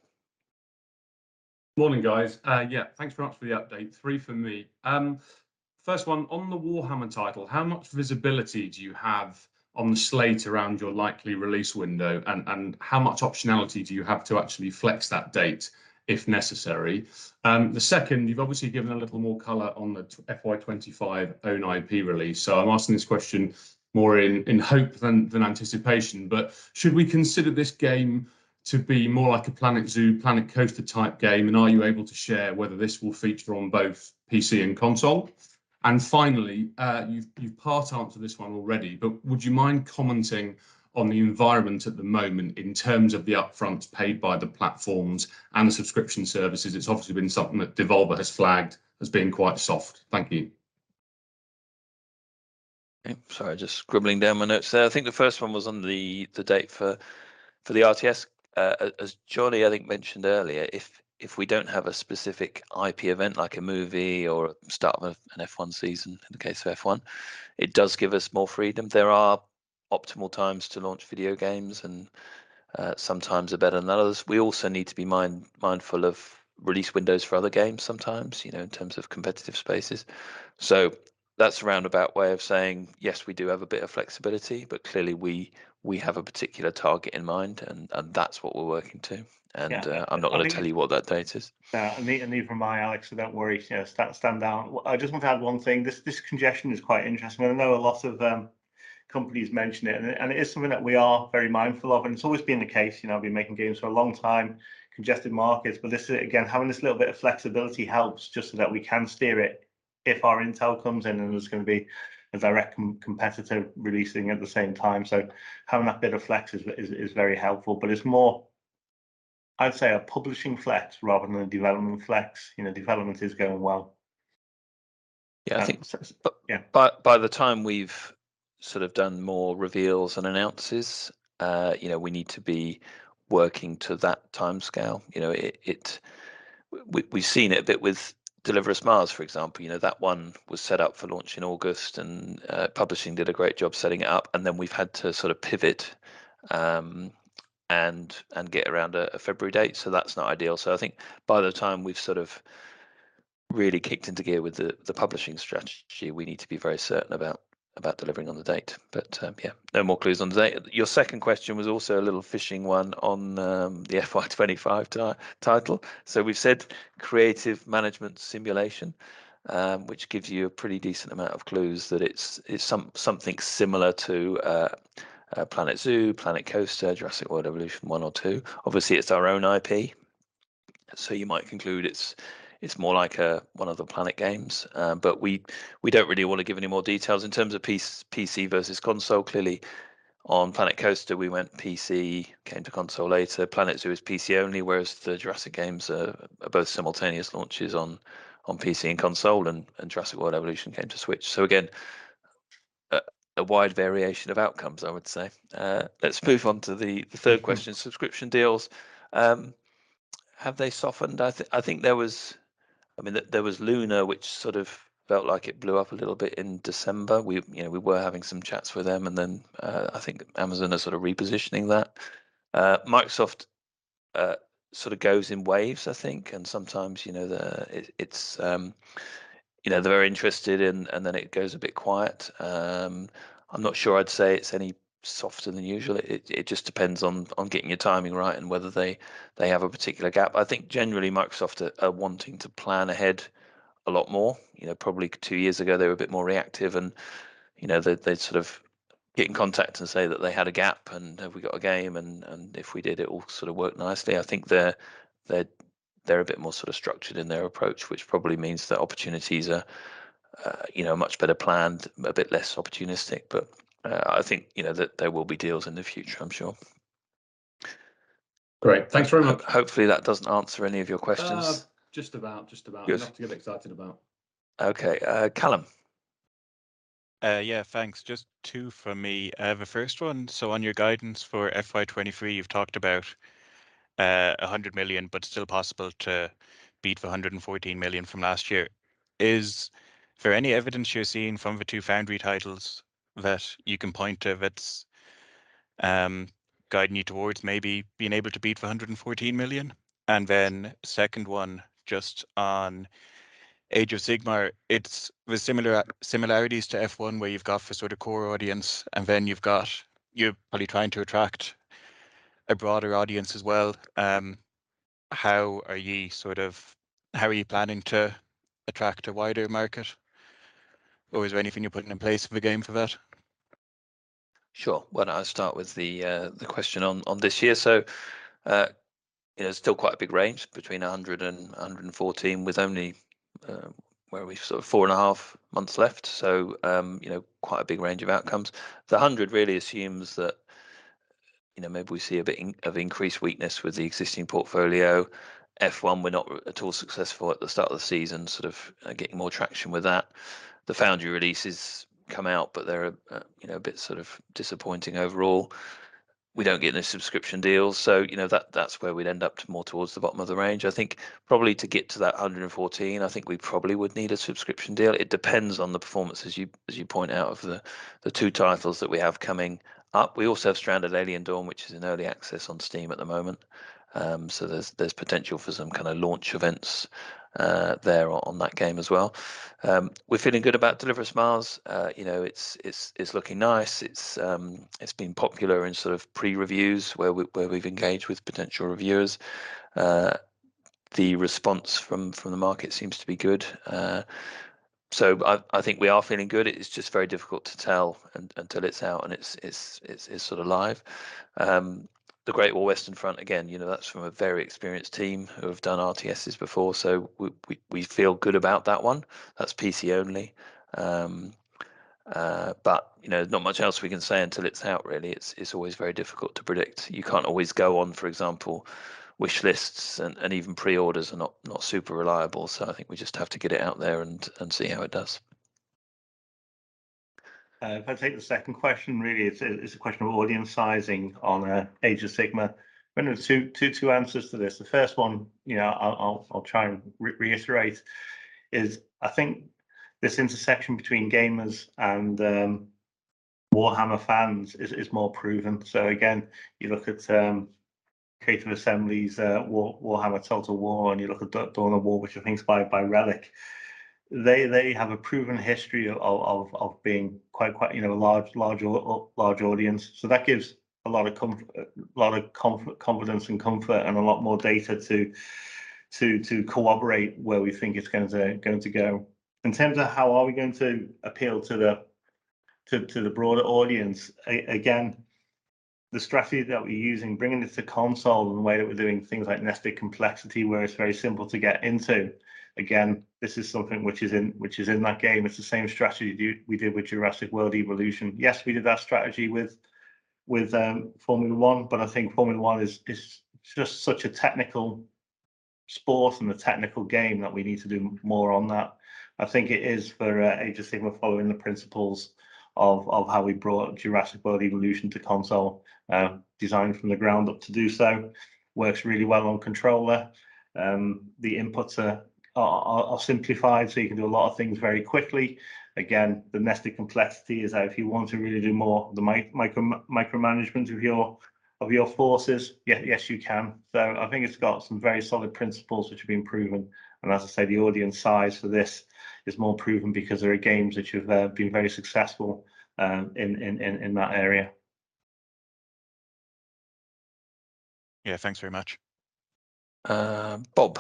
[SPEAKER 5] Morning, guys. Yeah, thanks very much for the update. Three for me. First one, on the Warhammer title, how much visibility do you have on the slate around your likely release window, and how much optionality do you have to actually flex that date if necessary? The second, you've obviously given a little more color on the FY 2025 own IP release, so I'm asking this question more in hope than anticipation, but should we consider this game to be more like a Planet Zoo, Planet Coaster type game? Are you able to share whether this will feature on both PC and console? Finally, you've part answered this one already, but would you mind commenting on the environment at the moment in terms of the upfronts paid by the platforms and the subscription services? It's obviously been something that Devolver has flagged as being quite soft. Thank you.
[SPEAKER 1] Okay. Sorry, just scribbling down my notes there. I think the first one was on the date for the RTS. As Jonny, I think mentioned earlier, if we don't have a specific IP event like a movie or start of an F1 season in the case of F1, it does give us more freedom. There are optimal times to launch video games, some times are better than others. We also need to be mindful of release windows for other games sometimes, you know, in terms of competitive spaces. That's a roundabout way of saying, yes, we do have a bit of flexibility, but clearly we have a particular target in mind, and that's what we're working to.
[SPEAKER 2] Yeah.
[SPEAKER 1] I'm not gonna tell you what that date is.
[SPEAKER 2] Yeah. Even my Alex, so don't worry, you know, stand down. I just want to add one thing. This congestion is quite interesting. I know a lot of companies mention it, and it is something that we are very mindful of, and it's always been the case. You know, I've been making games for a long time, congested markets. This is, again, having this little bit of flexibility helps just so that we can steer it if our intel comes in, and there's gonna be a direct competitor releasing at the same time. Having that bit of flex is very helpful, but it's more, I'd say, a publishing flex rather than a development flex. You know, development is going well.
[SPEAKER 1] Yeah, I think so.
[SPEAKER 2] Yeah.
[SPEAKER 1] By the time we've sort of done more reveals and announces, you know, we need to be working to that timescale. You know, we've seen it a bit with Deliver Us Mars, for example. You know, that one was set up for launch in August, publishing did a great job setting it up, we've had to sort of pivot and get around a February date, that's not ideal. I think by the time we've sort of really kicked into gear with the publishing strategy, we need to be very certain about delivering on the date. Yeah, no more clues on the date. Your second question was also a little fishing one on the FY 2025 title. We've said creative management simulation, which gives you a pretty decent amount of clues that it's something similar to Planet Zoo, Planet Coaster, Jurassic World Evolution one or two. Obviously, it's our own IP, so you might conclude it's more like one of the Planet games. We don't really wanna give any more details. In terms of PC versus console, clearly on Planet Coaster, we went PC, came to console later. Planet Zoo is PC only, whereas the Jurassic games are both simultaneous launches on PC and console, and Jurassic World Evolution came to Switch. Again, a wide variation of outcomes, I would say. Let's move on to the third question, subscription deals. Have they softened? I think there was, I mean, there was Lunar, which sort of felt like it blew up a little bit in December. We, you know, we were having some chats with them, and then, I think Amazon are sort of repositioning that. Microsoft sort of goes in waves, I think, and sometimes, you know, it's, you know, they're very interested and then it goes a bit quiet. I'm not sure I'd say it's any softer than usual. It just depends on getting your timing right and whether they have a particular gap. I think generally Microsoft are wanting to plan ahead a lot more. You know, probably two years ago, they were a bit more reactive and, you know, they'd sort of get in contact and say that they had a gap, and have we got a game? And if we did, it all sort of worked nicely. I think they're a bit more sort of structured in their approach, which probably means that opportunities are, you know, much better planned, a bit less opportunistic. I think, you know, that there will be deals in the future, I'm sure.
[SPEAKER 5] Great. Thanks very much.
[SPEAKER 1] Hopefully that doesn't answer any of your questions.
[SPEAKER 5] Just about. Just about.
[SPEAKER 1] Yes.
[SPEAKER 5] Nothing to get excited about.
[SPEAKER 1] Okay. Callum?
[SPEAKER 6] Yeah, thanks. Just two from me. The first one, on your guidance for FY 2023, you've talked about 100 million, but still possible to beat the 114 million from last year. Is there any evidence you're seeing from the two Frontier Foundry titles that you can point to that's guiding you towards maybe being able to beat the 114 million? Second one, just on Age of Sigmar, it's with similarities to F1, where you've got the sort of core audience, you're probably trying to attract a broader audience as well. How are you planning to attract a wider market? Is there anything you're putting in place for the game for that?
[SPEAKER 1] Sure. Why don't I start with the question on this year. You know, still quite a big range between 100 and 114, with only, where are we? Sort of four and a half months left. You know, quite a big range of outcomes. The 100 really assumes that, you know, maybe we see a bit of increased weakness with the existing portfolio. F1 we're not at all successful at the start of the season, sort of getting more traction with that. The Foundry releases come out, but they're, you know, a bit sort of disappointing overall. We don't get any subscription deals. You know, that's where we'd end up more towards the bottom of the range. I think probably to get to that 114, I think we probably would need a subscription deal. It depends on the performance as you point out, of the two titles that we have coming up. We also have Stranded: Alien Dawn, which is in early access on Steam at the moment. There's potential for some kind of launch events there on that game as well. We're feeling good about Deliver Us Mars. You know, it's looking nice. It's been popular in sort of pre-reviews where we've engaged with potential reviewers. The response from the market seems to be good. I think we are feeling good. It is just very difficult to tell until it's out and it's sort of live. The Great War: Western Front, again, you know, that's from a very experienced team who have done RTSs before, so we feel good about that one. That's PC only. You know, not much else we can say until it's out really. It's always very difficult to predict. You can't always go on, for example, Wishlists and even pre-orders are not super reliable. I think we just have to get it out there and see how it does.
[SPEAKER 2] If I take the second question, really it's a question of audience sizing on Age of Sigmar. I think there are two answers to this. The first one, you know, I'll try and reiterate, is I think this intersection between gamers and Warhammer fans is more proven. Again, you look at Creative Assembly's Total War: Warhammer, and you look at Dawn of War, which I think is by Relic, they have a proven history of being quite, you know, a large audience. That gives a lot of confidence and comfort and a lot more data to corroborate where we think it's going to go. In terms of how are we going to appeal to the broader audience, again, the strategy that we're using, bringing it to console and the way that we're doing things like nested complexity, where it's very simple to get into. Again, this is something which is in that game. It's the same strategy we did with Jurassic World Evolution. Yes, we did that strategy with F1. I think F1 is just such a technical sport and a technical game that we need to do more on that. I think it is for Age of Sigmar, following the principles of how we brought Jurassic World Evolution to console, designed from the ground up to do so. Works really well on controller. The inputs are simplified, so you can do a lot of things very quickly. Again, the nested complexity is if you want to really do more the micromanagement of your, of your forces, yeah, yes, you can. I think it's got some very solid principles which have been proven, and as I say, the audience size for this is more proven because there are games which have been very successful in that area.
[SPEAKER 6] Yeah. Thanks very much.
[SPEAKER 1] Bob.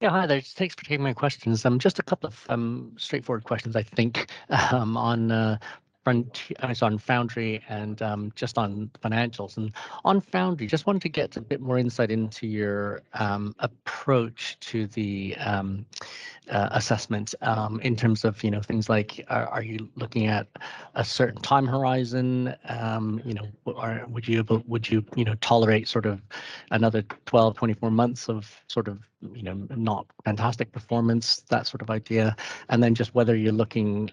[SPEAKER 7] Yeah. Hi there. Thanks for taking my questions. Just a couple of straightforward questions I think, I guess on Foundry and just on financials. On Foundry, just wanted to get a bit more insight into your approach to the assessment in terms of, you know, things like, are you looking at a certain time horizon? You know, would you know, tolerate sort of another 12, 24 months of sort of, you know, not fantastic performance, that sort of idea? Just whether you're looking,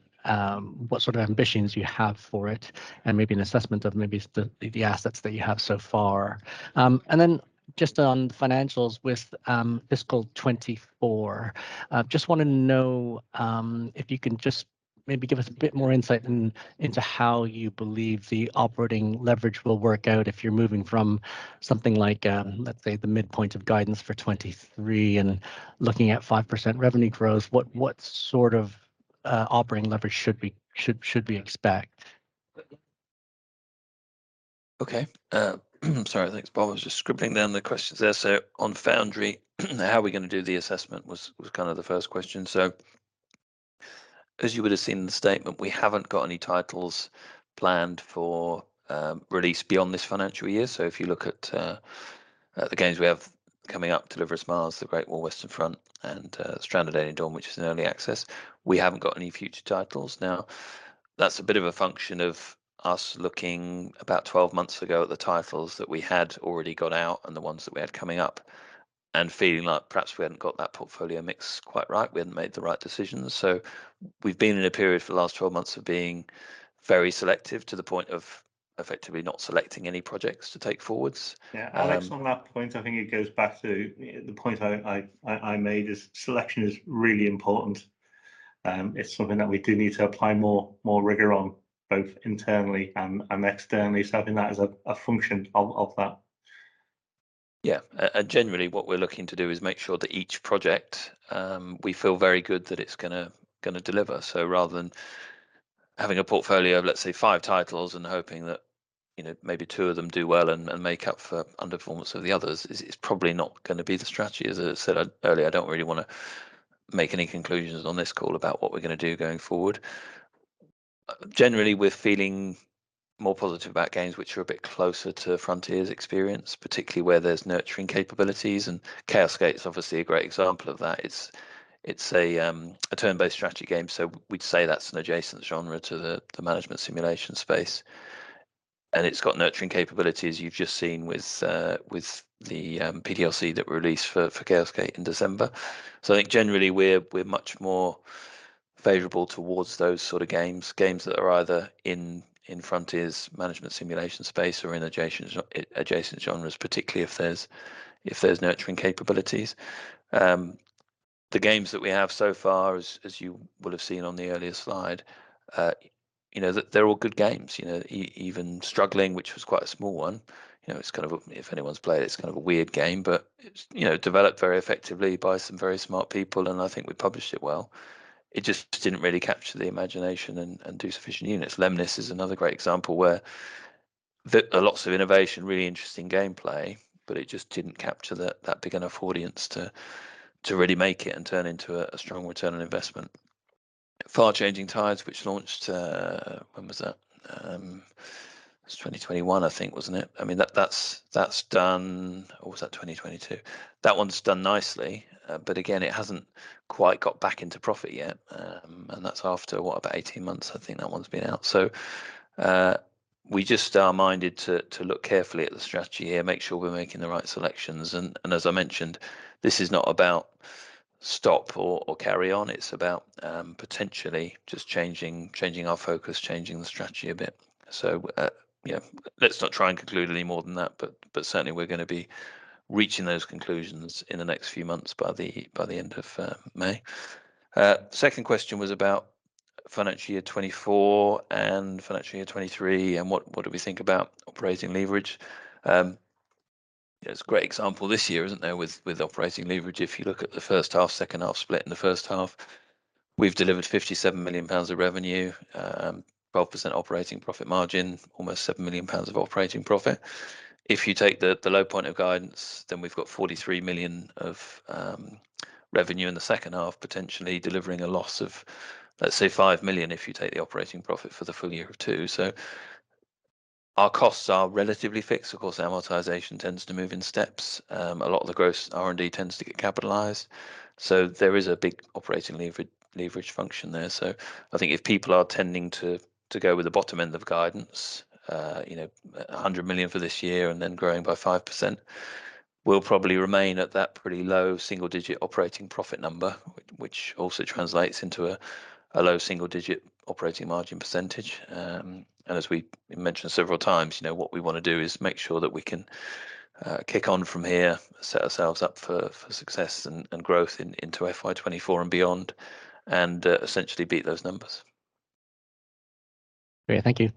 [SPEAKER 7] what sort of ambitions you have for it, and maybe an assessment of maybe the assets that you have so far? Just on financials with FY 2024, just wanna know, if you can just maybe give us a bit more insight into how you believe the operating leverage will work out if you're moving from something like, let's say the midpoint of guidance for 2023 and looking at 5% revenue growth. What, what sort of operating leverage should we expect?
[SPEAKER 1] Okay. I'm sorry. Thanks, Bob. I was just scribbling down the questions there. On Foundry, how are we gonna do the assessment was kind of the first question. As you would've seen in the statement, we haven't got any titles planned for release beyond this financial year. If you look at the games we have coming up, Deliver Us Mars, The Great War: Western Front, and Stranded: Alien Dawn, which is in early access. We haven't got any future titles. That's a bit of a function of us looking about 12 months ago at the titles that we had already got out and the ones that we have coming up, and feeling like perhaps we hadn't got that portfolio mix quite right, we hadn't made the right decisions. We've been in a period for the last 12 months of being very selective to the point of effectively not selecting any projects to take forwards.
[SPEAKER 2] Yeah. Alex, on that point, I think it goes back to the point I made is selection is really important. It's something that we do need to apply more rigor on both internally and externally. I think that is a function of that.
[SPEAKER 1] Yeah. Generally what we're looking to do is make sure that each project, we feel very good that it's gonna deliver. Having a portfolio of, let's say, five titles and hoping that, you know, maybe two of them do well and make up for underperformance of the others is probably not gonna be the strategy. As I said earlier, I don't really wanna make any conclusions on this call about what we're gonna do going forward. Generally, we're feeling more positive about games which are a bit closer to Frontier's experience, particularly where there's nurturing capabilities, and Chaos Gate's obviously a great example of that. It's a turn-based strategy game, so we'd say that's an adjacent genre to the management simulation space, and it's got nurturing capabilities you've just seen with the PDLC that released for Chaos Gate in December. I think generally we're much more favorable towards those sorts of games that are either in Frontier's management simulation space or in adjacent genres, particularly if there's nurturing capabilities. The games that we have so far, as you will have seen on the earlier slide, you know, they're all good games. You know, even Struggling, which was quite a small one, you know, it's kind of a, if anyone's played it's kind of a weird game. You know, developed very effectively by some very smart people, and I think we published it well. It just didn't really capture the imagination and do sufficient units. Lemnis Gate is another great example where lots of innovation, really interesting gameplay, but it just didn't capture that big enough audience to really make it and turn into a strong return on investment. FAR: Changing Tides, which launched, when was that? It was 2021, I think, wasn't it? I mean, that's done... Or was that 2022? That one's done nicely, again, it hasn't quite got back into profit yet, and that's after, what? About 18 months, I think that one's been out. We just are minded to look carefully at the strategy here, make sure we're making the right selections. As I mentioned, this is not about stop or carry on. It's about potentially just changing our focus, changing the strategy a bit. Yeah, let's not try and conclude any more than that, but certainly we're gonna be reaching those conclusions in the next few months, by the end of May. Second question was about financial year 2024 and financial year 2023 and what do we think about operating leverage. There's a great example this year, isn't there, with operating leverage. If you look at the first half, second half split. In the first half, we've delivered 57 million pounds of revenue, 12% operating profit margin, almost 7 million pounds of operating profit. If you take the low point of guidance, we've got 43 million of revenue in the second half, potentially delivering a loss of, let's say, 5 million if you take the operating profit for the full-year of 2 million. Our costs are relatively fixed. Of course, amortization tends to move in steps. A lot of the gross R&D tends to get capitalized, there is a big operating leverage function there. I think if people are tending to go with the bottom end of guidance, you know, 100 million for this year and growing by 5%, we'll probably remain at that pretty low single-digit operating profit number, which also translates into a low single-digit operating margin percentage. As we mentioned several times, you know, what we wanna do is make sure that we can kick on from here, set ourselves up for success and growth into FY 2024 and beyond, essentially beat those numbers.
[SPEAKER 7] Great. Thank you.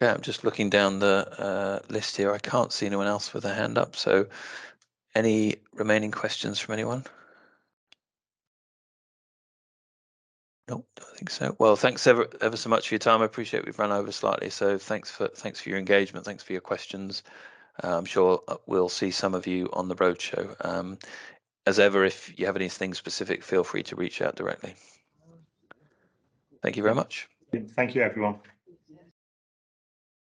[SPEAKER 1] I'm just looking down the list here. I can't see anyone else with their hand up, so any remaining questions from anyone? Don't think so. Well, thanks ever so much for your time. I appreciate we've run over slightly, so thanks for your engagement. Thanks for your questions. I'm sure we'll see some of you on the roadshow. As ever, if you have anything specific, feel free to reach out directly. Thank you very much.
[SPEAKER 2] Thank you, everyone.